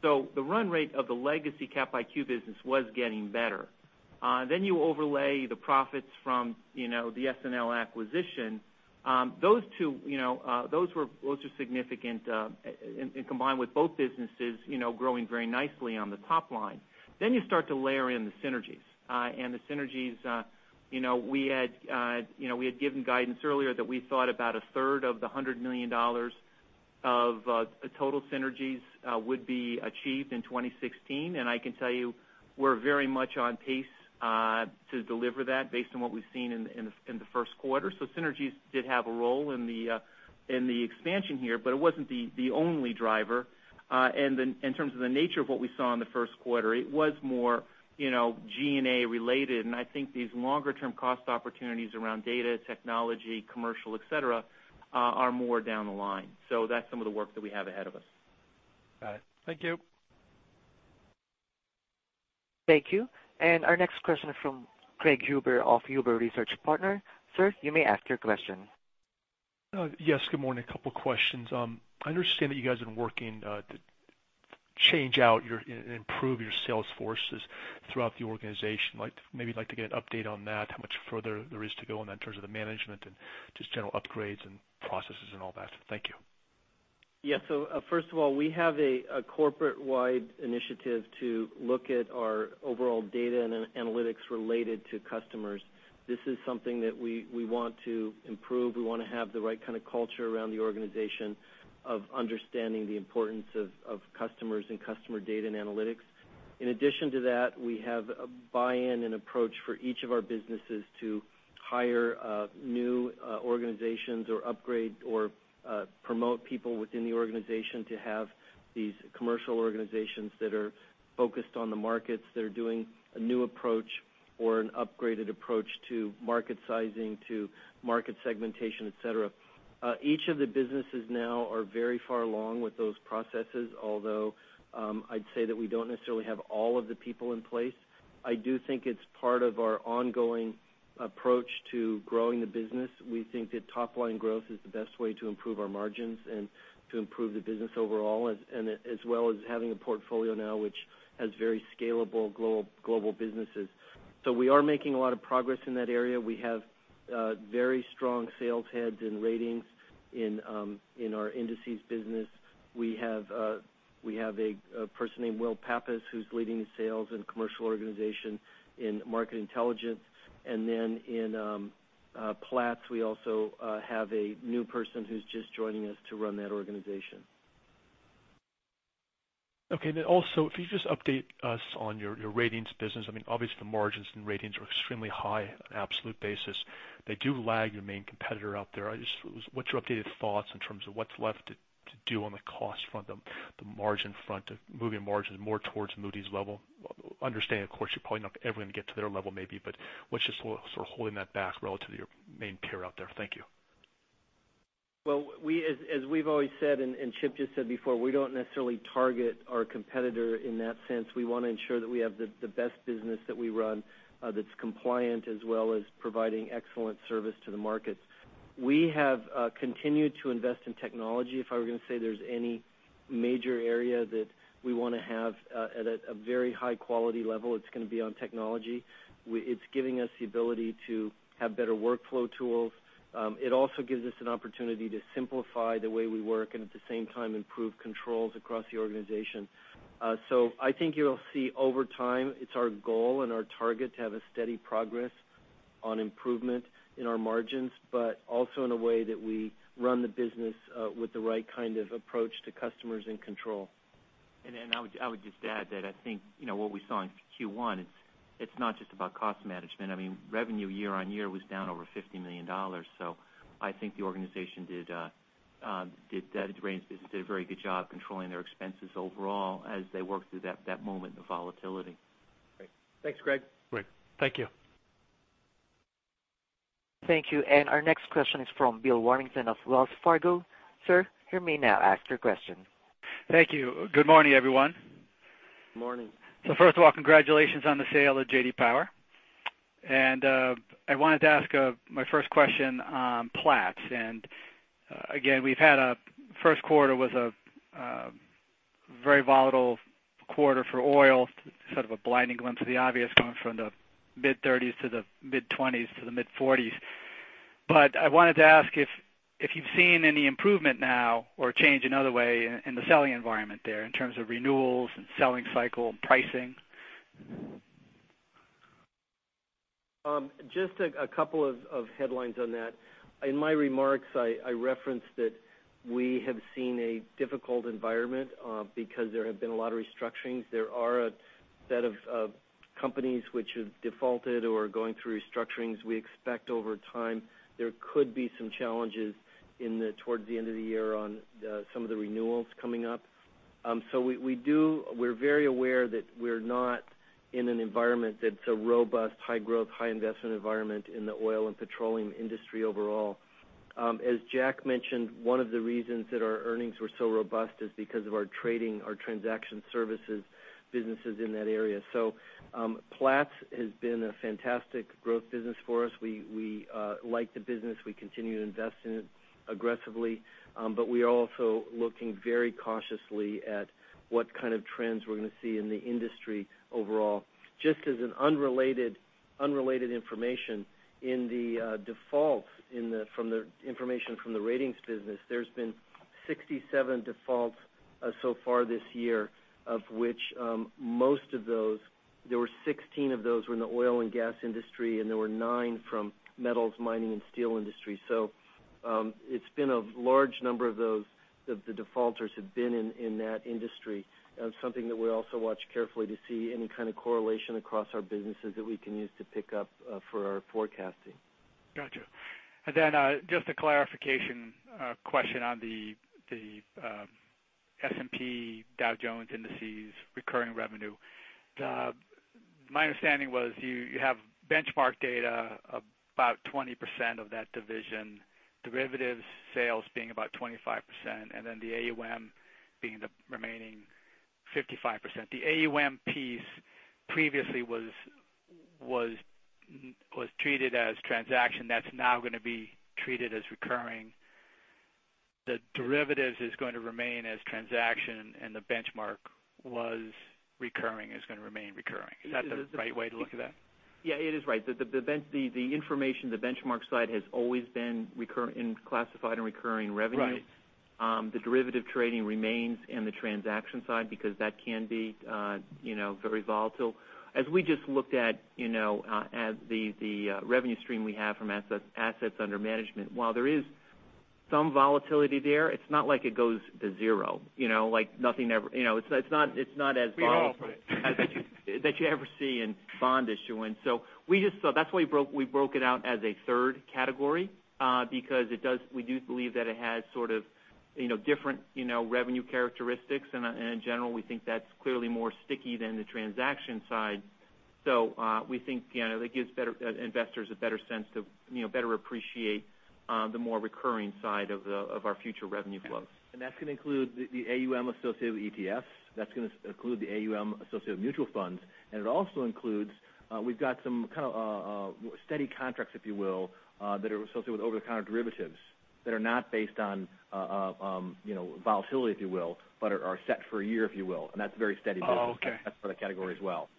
The run rate of the legacy Capital IQ business was getting better. You overlay the profits from the SNL acquisition. Those were significant, combined with both businesses growing very nicely on the top line. You start to layer in the synergies. The synergies, we had given guidance earlier that we thought about a third of the $100 million of total synergies would be achieved in 2016. I can tell you we're very much on pace to deliver that based on what we've seen in the first quarter. Synergies did have a role in the expansion here, it wasn't the only driver. In terms of the nature of what we saw in the first quarter, it was more G&A related. I think these longer-term cost opportunities around data technology, commercial, et cetera, are more down the line. That's some of the work that we have ahead of us. Got it. Thank you. Thank you. Our next question from Craig Huber of Huber Research Partners. Sir, you may ask your question. Yes, good morning. A couple questions. I understand that you guys have been working to change out and improve your sales forces throughout the organization. Maybe I'd like to get an update on that, how much further there is to go in terms of the management and just general upgrades and processes and all that. Thank you. Yeah. First of all, we have a corporate-wide initiative to look at our overall data and analytics related to customers. This is something that we want to improve. We want to have the right kind of culture around the organization of understanding the importance of customers and customer data and analytics. In addition to that, we have a buy-in and approach for each of our businesses to hire new organizations or upgrade or promote people within the organization to have these commercial organizations that are focused on the markets, that are doing a new approach or an upgraded approach to market sizing, to market segmentation, et cetera. Each of the businesses now are very far along with those processes, although I'd say that we don't necessarily have all of the people in place. I do think it's part of our ongoing approach to growing the business. We think that top-line growth is the best way to improve our margins and to improve the business overall, as well as having a portfolio now which has very scalable global businesses. We are making a lot of progress in that area. We have very strong sales heads in ratings in our indices business. We have a person named Will Pappas, who's leading the sales and commercial organization in Market Intelligence. Then in Platts, we also have a new person who's just joining us to run that organization. Also, if you just update us on your Ratings business. Obviously, the margins in Ratings are extremely high on an absolute basis. They do lag your main competitor out there. What's your updated thoughts in terms of what's left to do on the cost front, the margin front of moving margins more towards Moody's level? Understand, of course, you're probably not ever going to get to their level, maybe, but what's just sort of holding that back relative to your main peer out there? Thank you. Well, as we've always said, and Chip just said before, we don't necessarily target our competitor in that sense. We want to ensure that we have the best business that we run that's compliant, as well as providing excellent service to the markets. We have continued to invest in technology. If I were going to say there's any major area that we want to have at a very high quality level, it's going to be on technology. It's giving us the ability to have better workflow tools. It also gives us an opportunity to simplify the way we work and at the same time, improve controls across the organization. I think you'll see over time, it's our goal and our target to have a steady progress on improvement in our margins, but also in a way that we run the business with the right kind of approach to customers and control. I would just add that I think, what we saw in Q1, it's not just about cost management. Revenue year-over-year was down over $50 million. I think the organization did, the Ratings business, did a very good job controlling their expenses overall as they worked through that moment in the volatility. Great. Thanks, Craig. Great. Thank you. Thank you. Our next question is from Bill Warrington of Wells Fargo. Sir, you may now ask your question. Thank you. Good morning, everyone. Morning. First of all, congratulations on the sale of J.D. Power. I wanted to ask my first question on Platts. Again, we've had a first quarter was a very volatile quarter for oil, sort of a blinding glimpse of the obvious going from the mid-30s to the mid-20s to the mid-40s. I wanted to ask if you've seen any improvement now or change another way in the selling environment there in terms of renewals and selling cycle and pricing? Just a couple of headlines on that. In my remarks, I referenced that we have seen a difficult environment because there have been a lot of restructurings. There are a set of companies which have defaulted or are going through restructurings. We expect over time, there could be some challenges towards the end of the year on some of the renewals coming up. We're very aware that we're not in an environment that's a robust, high growth, high investment environment in the oil and petroleum industry overall. As Jack mentioned, one of the reasons that our earnings were so robust is because of our trading, our transaction services businesses in that area. Platts has been a fantastic growth business for us. We like the business. We continue to invest in it aggressively. We are also looking very cautiously at what kind of trends we're going to see in the industry overall. Just as an unrelated information, in the defaults from the information from the Ratings business, there's been 67 defaults so far this year, of which most of those, there were 16 of those were in the oil and gas industry, and there were nine from metals, mining, and steel industry. It's been a large number of those that the defaulters have been in that industry. That's something that we also watch carefully to see any kind of correlation across our businesses that we can use to pick up for our forecasting. Got you. Just a clarification question on the S&P Dow Jones Indices recurring revenue. My understanding was you have benchmark data about 20% of that division, derivatives sales being about 25%, and then the AUM being the remaining 55%. The AUM piece previously was treated as transaction that's now going to be treated as recurring. The derivatives is going to remain as transaction, and the benchmark was recurring, is going to remain recurring. Is that the right way to look at that? Yeah, it is right. The information, the benchmark side has always been classified in recurring revenue. Right. The derivative trading remains in the transaction side because that can be very volatile. As we just looked at the revenue stream we have from assets under management, while there is some volatility there, it's not like it goes to zero. It's not as volatile. We know. that you ever see in bond issuance. That's why we broke it out as a third category because we do believe that it has sort of different revenue characteristics, and in general, we think that's clearly more sticky than the transaction side. We think it gives investors a better sense to better appreciate the more recurring side of our future revenue flows. That's going to include the AUM associated with ETFs. That's going to include the AUM associated with mutual funds. It also includes, we've got some kind of steady contracts, if you will, that are associated with over-the-counter derivatives that are not based on volatility, if you will, but are set for a year, if you will. That's very steady business. Oh, okay. That's for the category as well.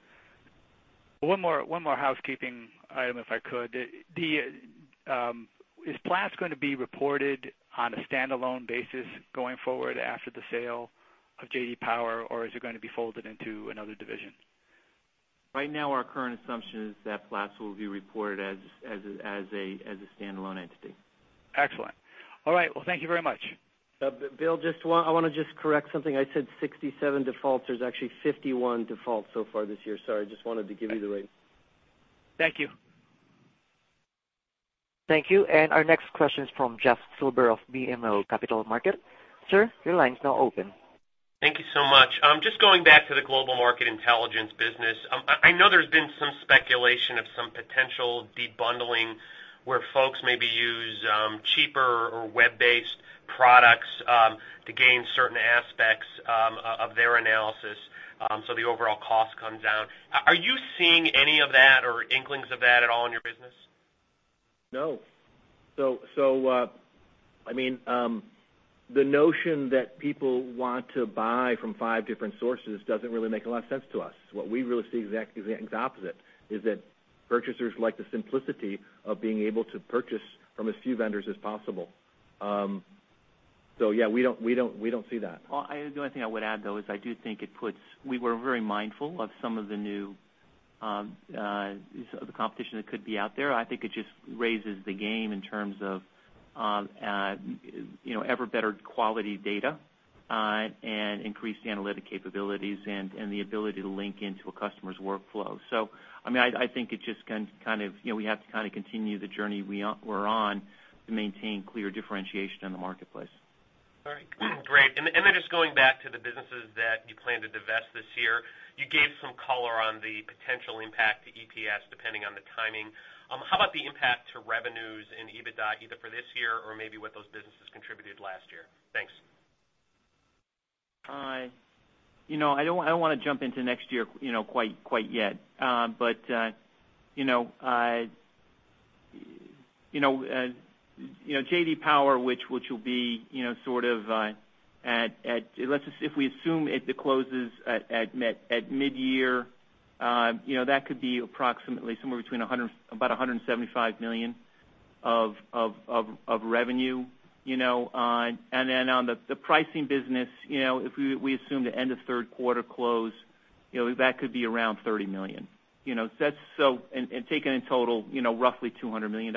One more housekeeping item, if I could. Is Platts going to be reported on a standalone basis going forward after the sale of J.D. Power, or is it going to be folded into another division? Right now, our current assumption is that Platts will be reported as a standalone entity. Excellent. All right. Well, thank you very much. Bill, I want to just correct something. I said 67 defaults. There's actually 51 defaults so far this year. Sorry, I just wanted to give you the right Thank you. Thank you. Our next question is from Jeffrey Silber of BMO Capital Markets. Sir, your line is now open. Thank you so much. Just going back to the Global Market Intelligence business. I know there's been some speculation of some potential de-bundling where folks maybe use cheaper or web-based products to gain certain aspects of their analysis, so the overall cost comes down. Are you seeing any of that or inklings of that at all in your business? No. The notion that people want to buy from five different sources doesn't really make a lot of sense to us. What we really see is the exact opposite. Is that purchasers like the simplicity of being able to purchase from as few vendors as possible. Yeah, we don't see that. The only thing I would add, though, is I do think we were very mindful of some of the new competition that could be out there. I think it just raises the game in terms of ever better quality data, and increased analytic capabilities, and the ability to link into a customer's workflow. I think we have to kind of continue the journey we're on to maintain clear differentiation in the marketplace. All right. Great. Just going back to the businesses that you plan to divest this year, you gave some color on the potential impact to EPS, depending on the timing. How about the impact to revenues and EBITDA, either for this year or maybe what those businesses contributed last year? Thanks. I don't want to jump into next year quite yet. J.D. Power, if we assume it closes at mid-year, that could be approximately somewhere between about $175 million of revenue. On the pricing business, if we assume the end of third quarter close, that could be around $30 million. Taken in total, roughly $200 million,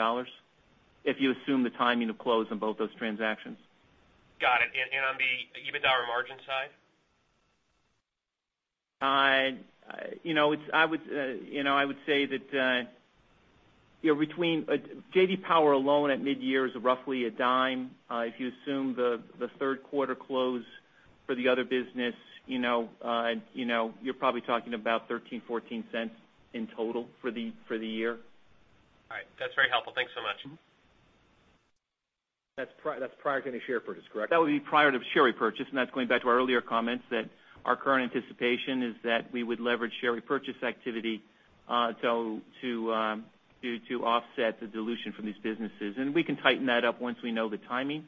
if you assume the timing of close on both those transactions. Got it. On the EBITDA or margin side? I would say that J.D. Power alone at mid-year is roughly $0.10. If you assume the third quarter close for the other business, you're probably talking about $0.13, $0.14 in total for the year. All right. That's very helpful. Thanks so much. That's prior to any share purchase, correct? That would be prior to share purchase. That's going back to our earlier comments that our current anticipation is that we would leverage share repurchase activity to offset the dilution from these businesses. We can tighten that up once we know the timing,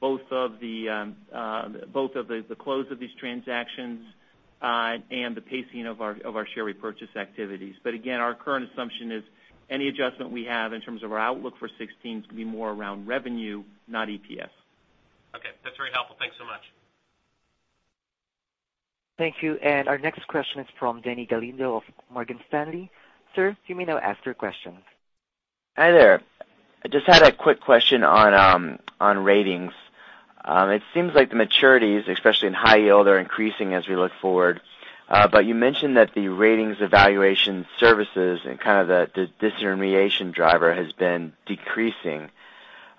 both of the close of these transactions and the pacing of our share repurchase activities. Again, our current assumption is any adjustment we have in terms of our outlook for 2016 is going to be more around revenue, not EPS. Okay. That's very helpful. Thanks so much. Thank you. Our next question is from Toni Kaplan of Morgan Stanley. Sir, you may now ask your question. Hi there. I just had a quick question on ratings. It seems like the maturities, especially in high yield, are increasing as we look forward. You mentioned that the Rating Evaluation Services and kind of the discrimination driver has been decreasing.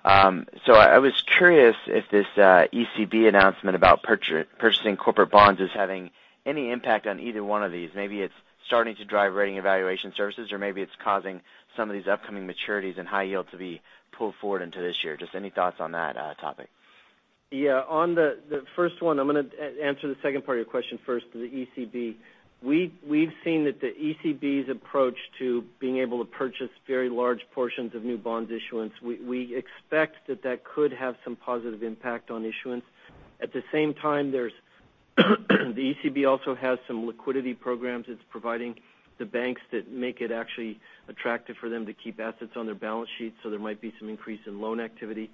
I was curious if this ECB announcement about purchasing corporate bonds is having any impact on either one of these. Maybe it's starting to drive Rating Evaluation Services, or maybe it's causing some of these upcoming maturities in high yield to be pulled forward into this year. Just any thoughts on that topic? Yeah. On the first one, I'm going to answer the second part of your question first to the ECB. We've seen that the ECB's approach to being able to purchase very large portions of new bonds issuance. We expect that that could have some positive impact on issuance. At the same time, the ECB also has some liquidity programs it's providing the banks that make it actually attractive for them to keep assets on their balance sheets, there might be some increase in loan activity.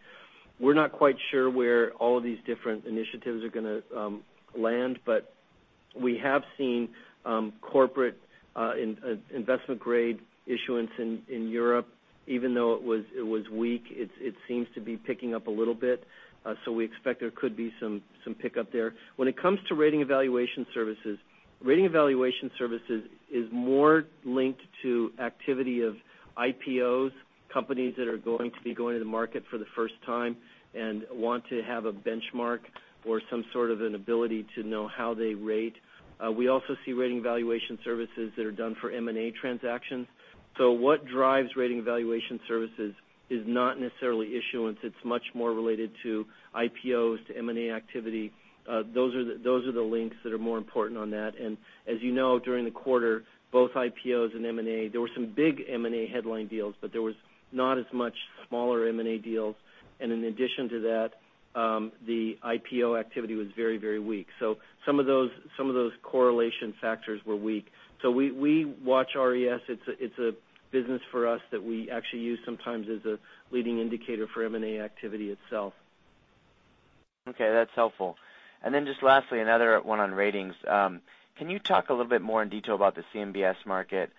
We're not quite sure where all of these different initiatives are going to land. We have seen corporate investment grade issuance in Europe. Even though it was weak, it seems to be picking up a little bit. We expect there could be some pickup there. When it comes to Rating Evaluation Services, Rating Evaluation Services is more linked to activity of IPOs, companies that are going to be going to the market for the first time and want to have a benchmark or some sort of an ability to know how they rate. We also see Rating Evaluation Services that are done for M&A transactions. What drives Rating Evaluation Services is not necessarily issuance. It's much more related to IPOs, to M&A activity. Those are the links that are more important on that. As you know, during the quarter, both IPOs and M&A, there were some big M&A headline deals, but there was not as much smaller M&A deals. In addition to that, the IPO activity was very weak. Some of those correlation factors were weak. We watch RES. It's a business for us that we actually use sometimes as a leading indicator for M&A activity itself. Okay, that's helpful. Just lastly, another one on ratings. Can you talk a little bit more in detail about the CMBS market?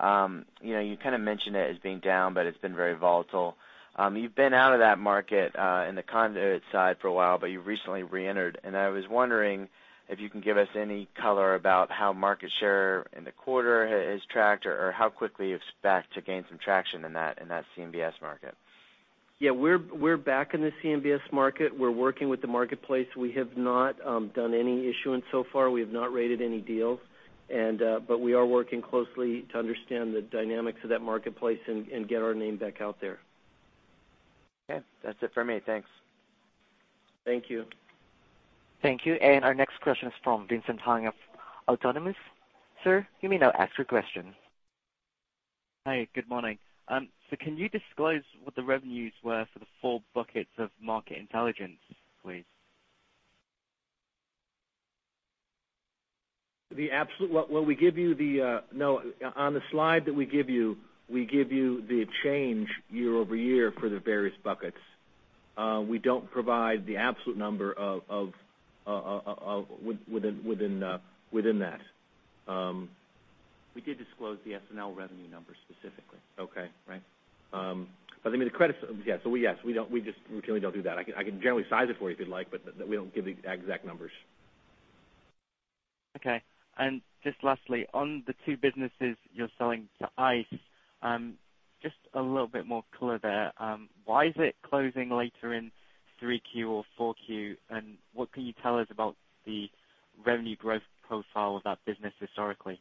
You kind of mentioned it as being down, but it's been very volatile. You've been out of that market in the conduit side for a while, but you've recently reentered, and I was wondering if you can give us any color about how market share in the quarter has tracked or how quickly you expect to gain some traction in that CMBS market. Yeah, we're back in the CMBS market. We're working with the marketplace. We have not done any issuance so far. We have not rated any deals. We are working closely to understand the dynamics of that marketplace and get our name back out there. Okay, that's it for me. Thanks. Thank you. Thank you. Our next question is from Vincent Hung of Autonomous. Sir, you may now ask your question. Hi, good morning. Can you disclose what the revenues were for the four buckets of Market Intelligence, please? On the slide that we give you, we give you the change year-over-year for the various buckets. We don't provide the absolute number within that. We did disclose the SNL revenue numbers specifically. Okay. Right? I mean, yes, we just routinely don't do that. I can generally size it for you if you'd like, but we don't give the exact numbers. Okay. Just lastly, on the two businesses you're selling to ICE, just a little bit more color there. Why is it closing later in 3Q or 4Q? What can you tell us about the revenue growth profile of that business historically?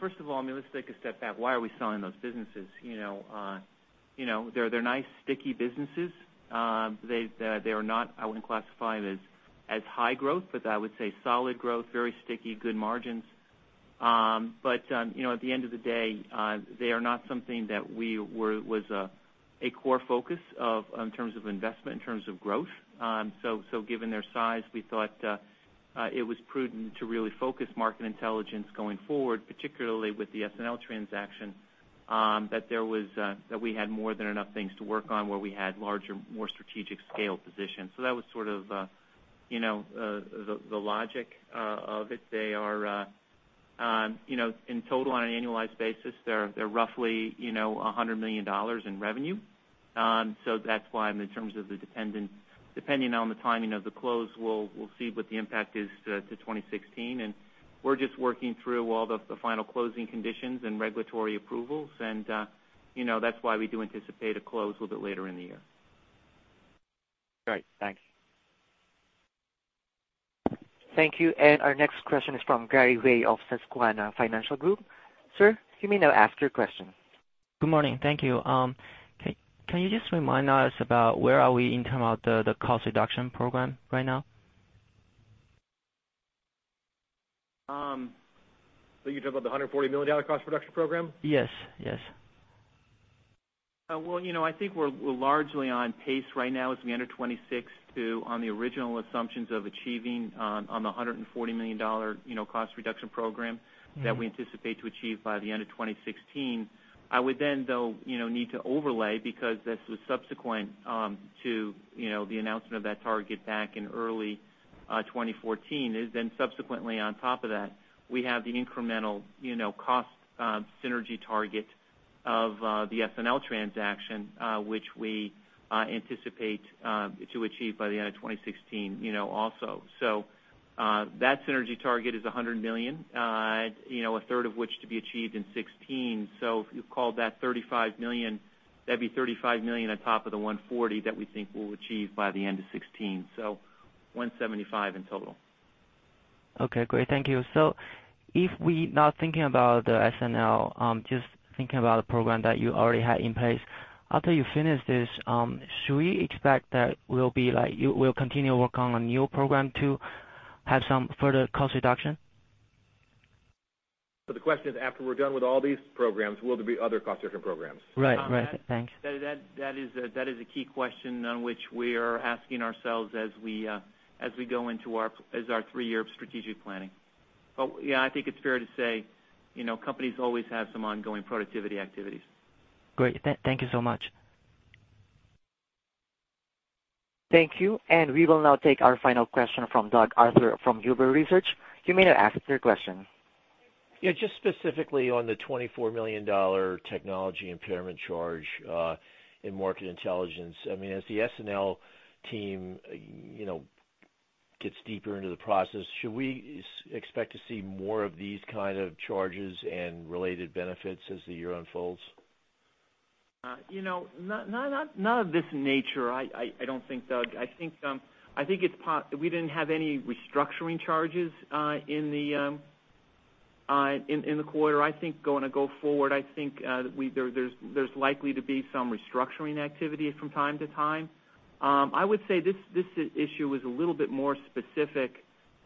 First of all, let's take a step back. Why are we selling those businesses? They're nice, sticky businesses. I wouldn't classify them as high growth, but I would say solid growth, very sticky, good margins. At the end of the day, they are not something that was a core focus in terms of investment, in terms of growth. Given their size, we thought it was prudent to really focus Market Intelligence going forward, particularly with the SNL transaction, that we had more than enough things to work on where we had larger, more strategic scale positions. That was sort of the logic of it. In total, on an annualized basis, they're roughly $100 million in revenue. That's why in terms of the dependence, depending on the timing of the close, we'll see what the impact is to 2016. We're just working through all the final closing conditions and regulatory approvals. That's why we do anticipate a close a little bit later in the year. Great. Thanks. Thank you. Our next question is from Gary Wei of Susquehanna Financial Group. Sir, you may now ask your question. Good morning. Thank you. Can you just remind us about where are we in terms of the cost reduction program right now? You're talking about the $140 million cost reduction program? Yes. Well, I think we're largely on pace right now as we enter 2026 to, on the original assumptions of achieving on the $140 million cost reduction program that we anticipate to achieve by the end of 2016. I would, though, need to overlay because this was subsequent to the announcement of that target back in early 2014. Subsequently on top of that, we have the incremental cost synergy target of the SNL transaction which we anticipate to achieve by the end of 2016 also. That synergy target is $100 million, a third of which to be achieved in 2016. If you called that $35 million, that'd be $35 million on top of the $140 that we think we'll achieve by the end of 2016. $175 in total. Okay, great. Thank you. If we not thinking about the SNL, just thinking about a program that you already had in place. After you finish this, should we expect that you will continue work on a new program to have some further cost reduction? The question is after we're done with all these programs, will there be other cost reduction programs? Right. Thanks. That is a key question on which we are asking ourselves as our three-year strategic planning. Yeah, I think it's fair to say companies always have some ongoing productivity activities. Great. Thank you so much. Thank you. We will now take our final question from Doug Arthur from Huber Research. You may now ask your question. Yeah, just specifically on the $24 million technology impairment charge in Market Intelligence. As the SNL team gets deeper into the process, should we expect to see more of these kind of charges and related benefits as the year unfolds? Not of this nature, I don't think, Doug. We didn't have any restructuring charges in the quarter. Going to go forward, I think there's likely to be some restructuring activity from time to time. I would say this issue is a little bit more specific.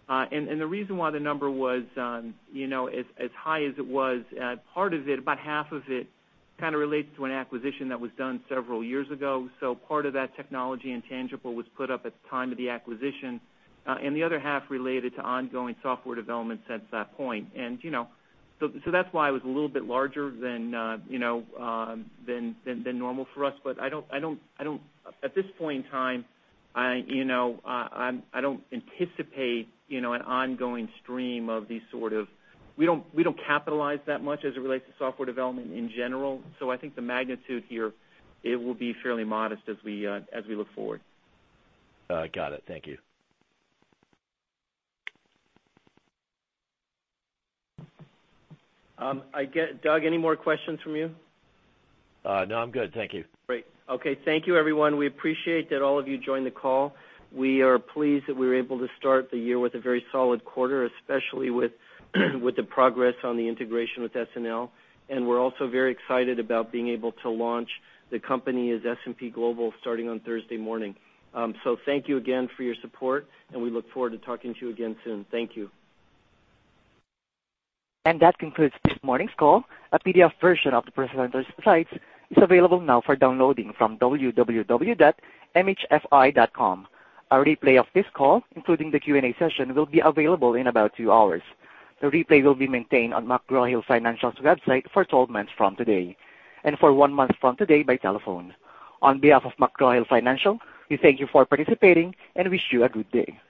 The reason why the number was as high as it was, part of it, about half of it, relates to an acquisition that was done several years ago. Part of that technology intangible was put up at the time of the acquisition, and the other half related to ongoing software development since that point. That's why it was a little bit larger than normal for us. At this point in time, I don't anticipate an ongoing stream. We don't capitalize that much as it relates to software development in general. I think the magnitude here, it will be fairly modest as we look forward. Got it. Thank you. Doug, any more questions from you? No, I'm good. Thank you. Great. Okay. Thank you, everyone. We appreciate that all of you joined the call. We are pleased that we were able to start the year with a very solid quarter, especially with the progress on the integration with SNL. We're also very excited about being able to launch the company as S&P Global starting on Thursday morning. Thank you again for your support, and we look forward to talking to you again soon. Thank you. That concludes this morning's call. A PDF version of the presentation slides is available now for downloading from www.mhfi.com. A replay of this call, including the Q&A session, will be available in about two hours. The replay will be maintained on McGraw Hill Financial's website for 12 months from today, and for one month from today by telephone. On behalf of McGraw Hill Financial, we thank you for participating and wish you a good day.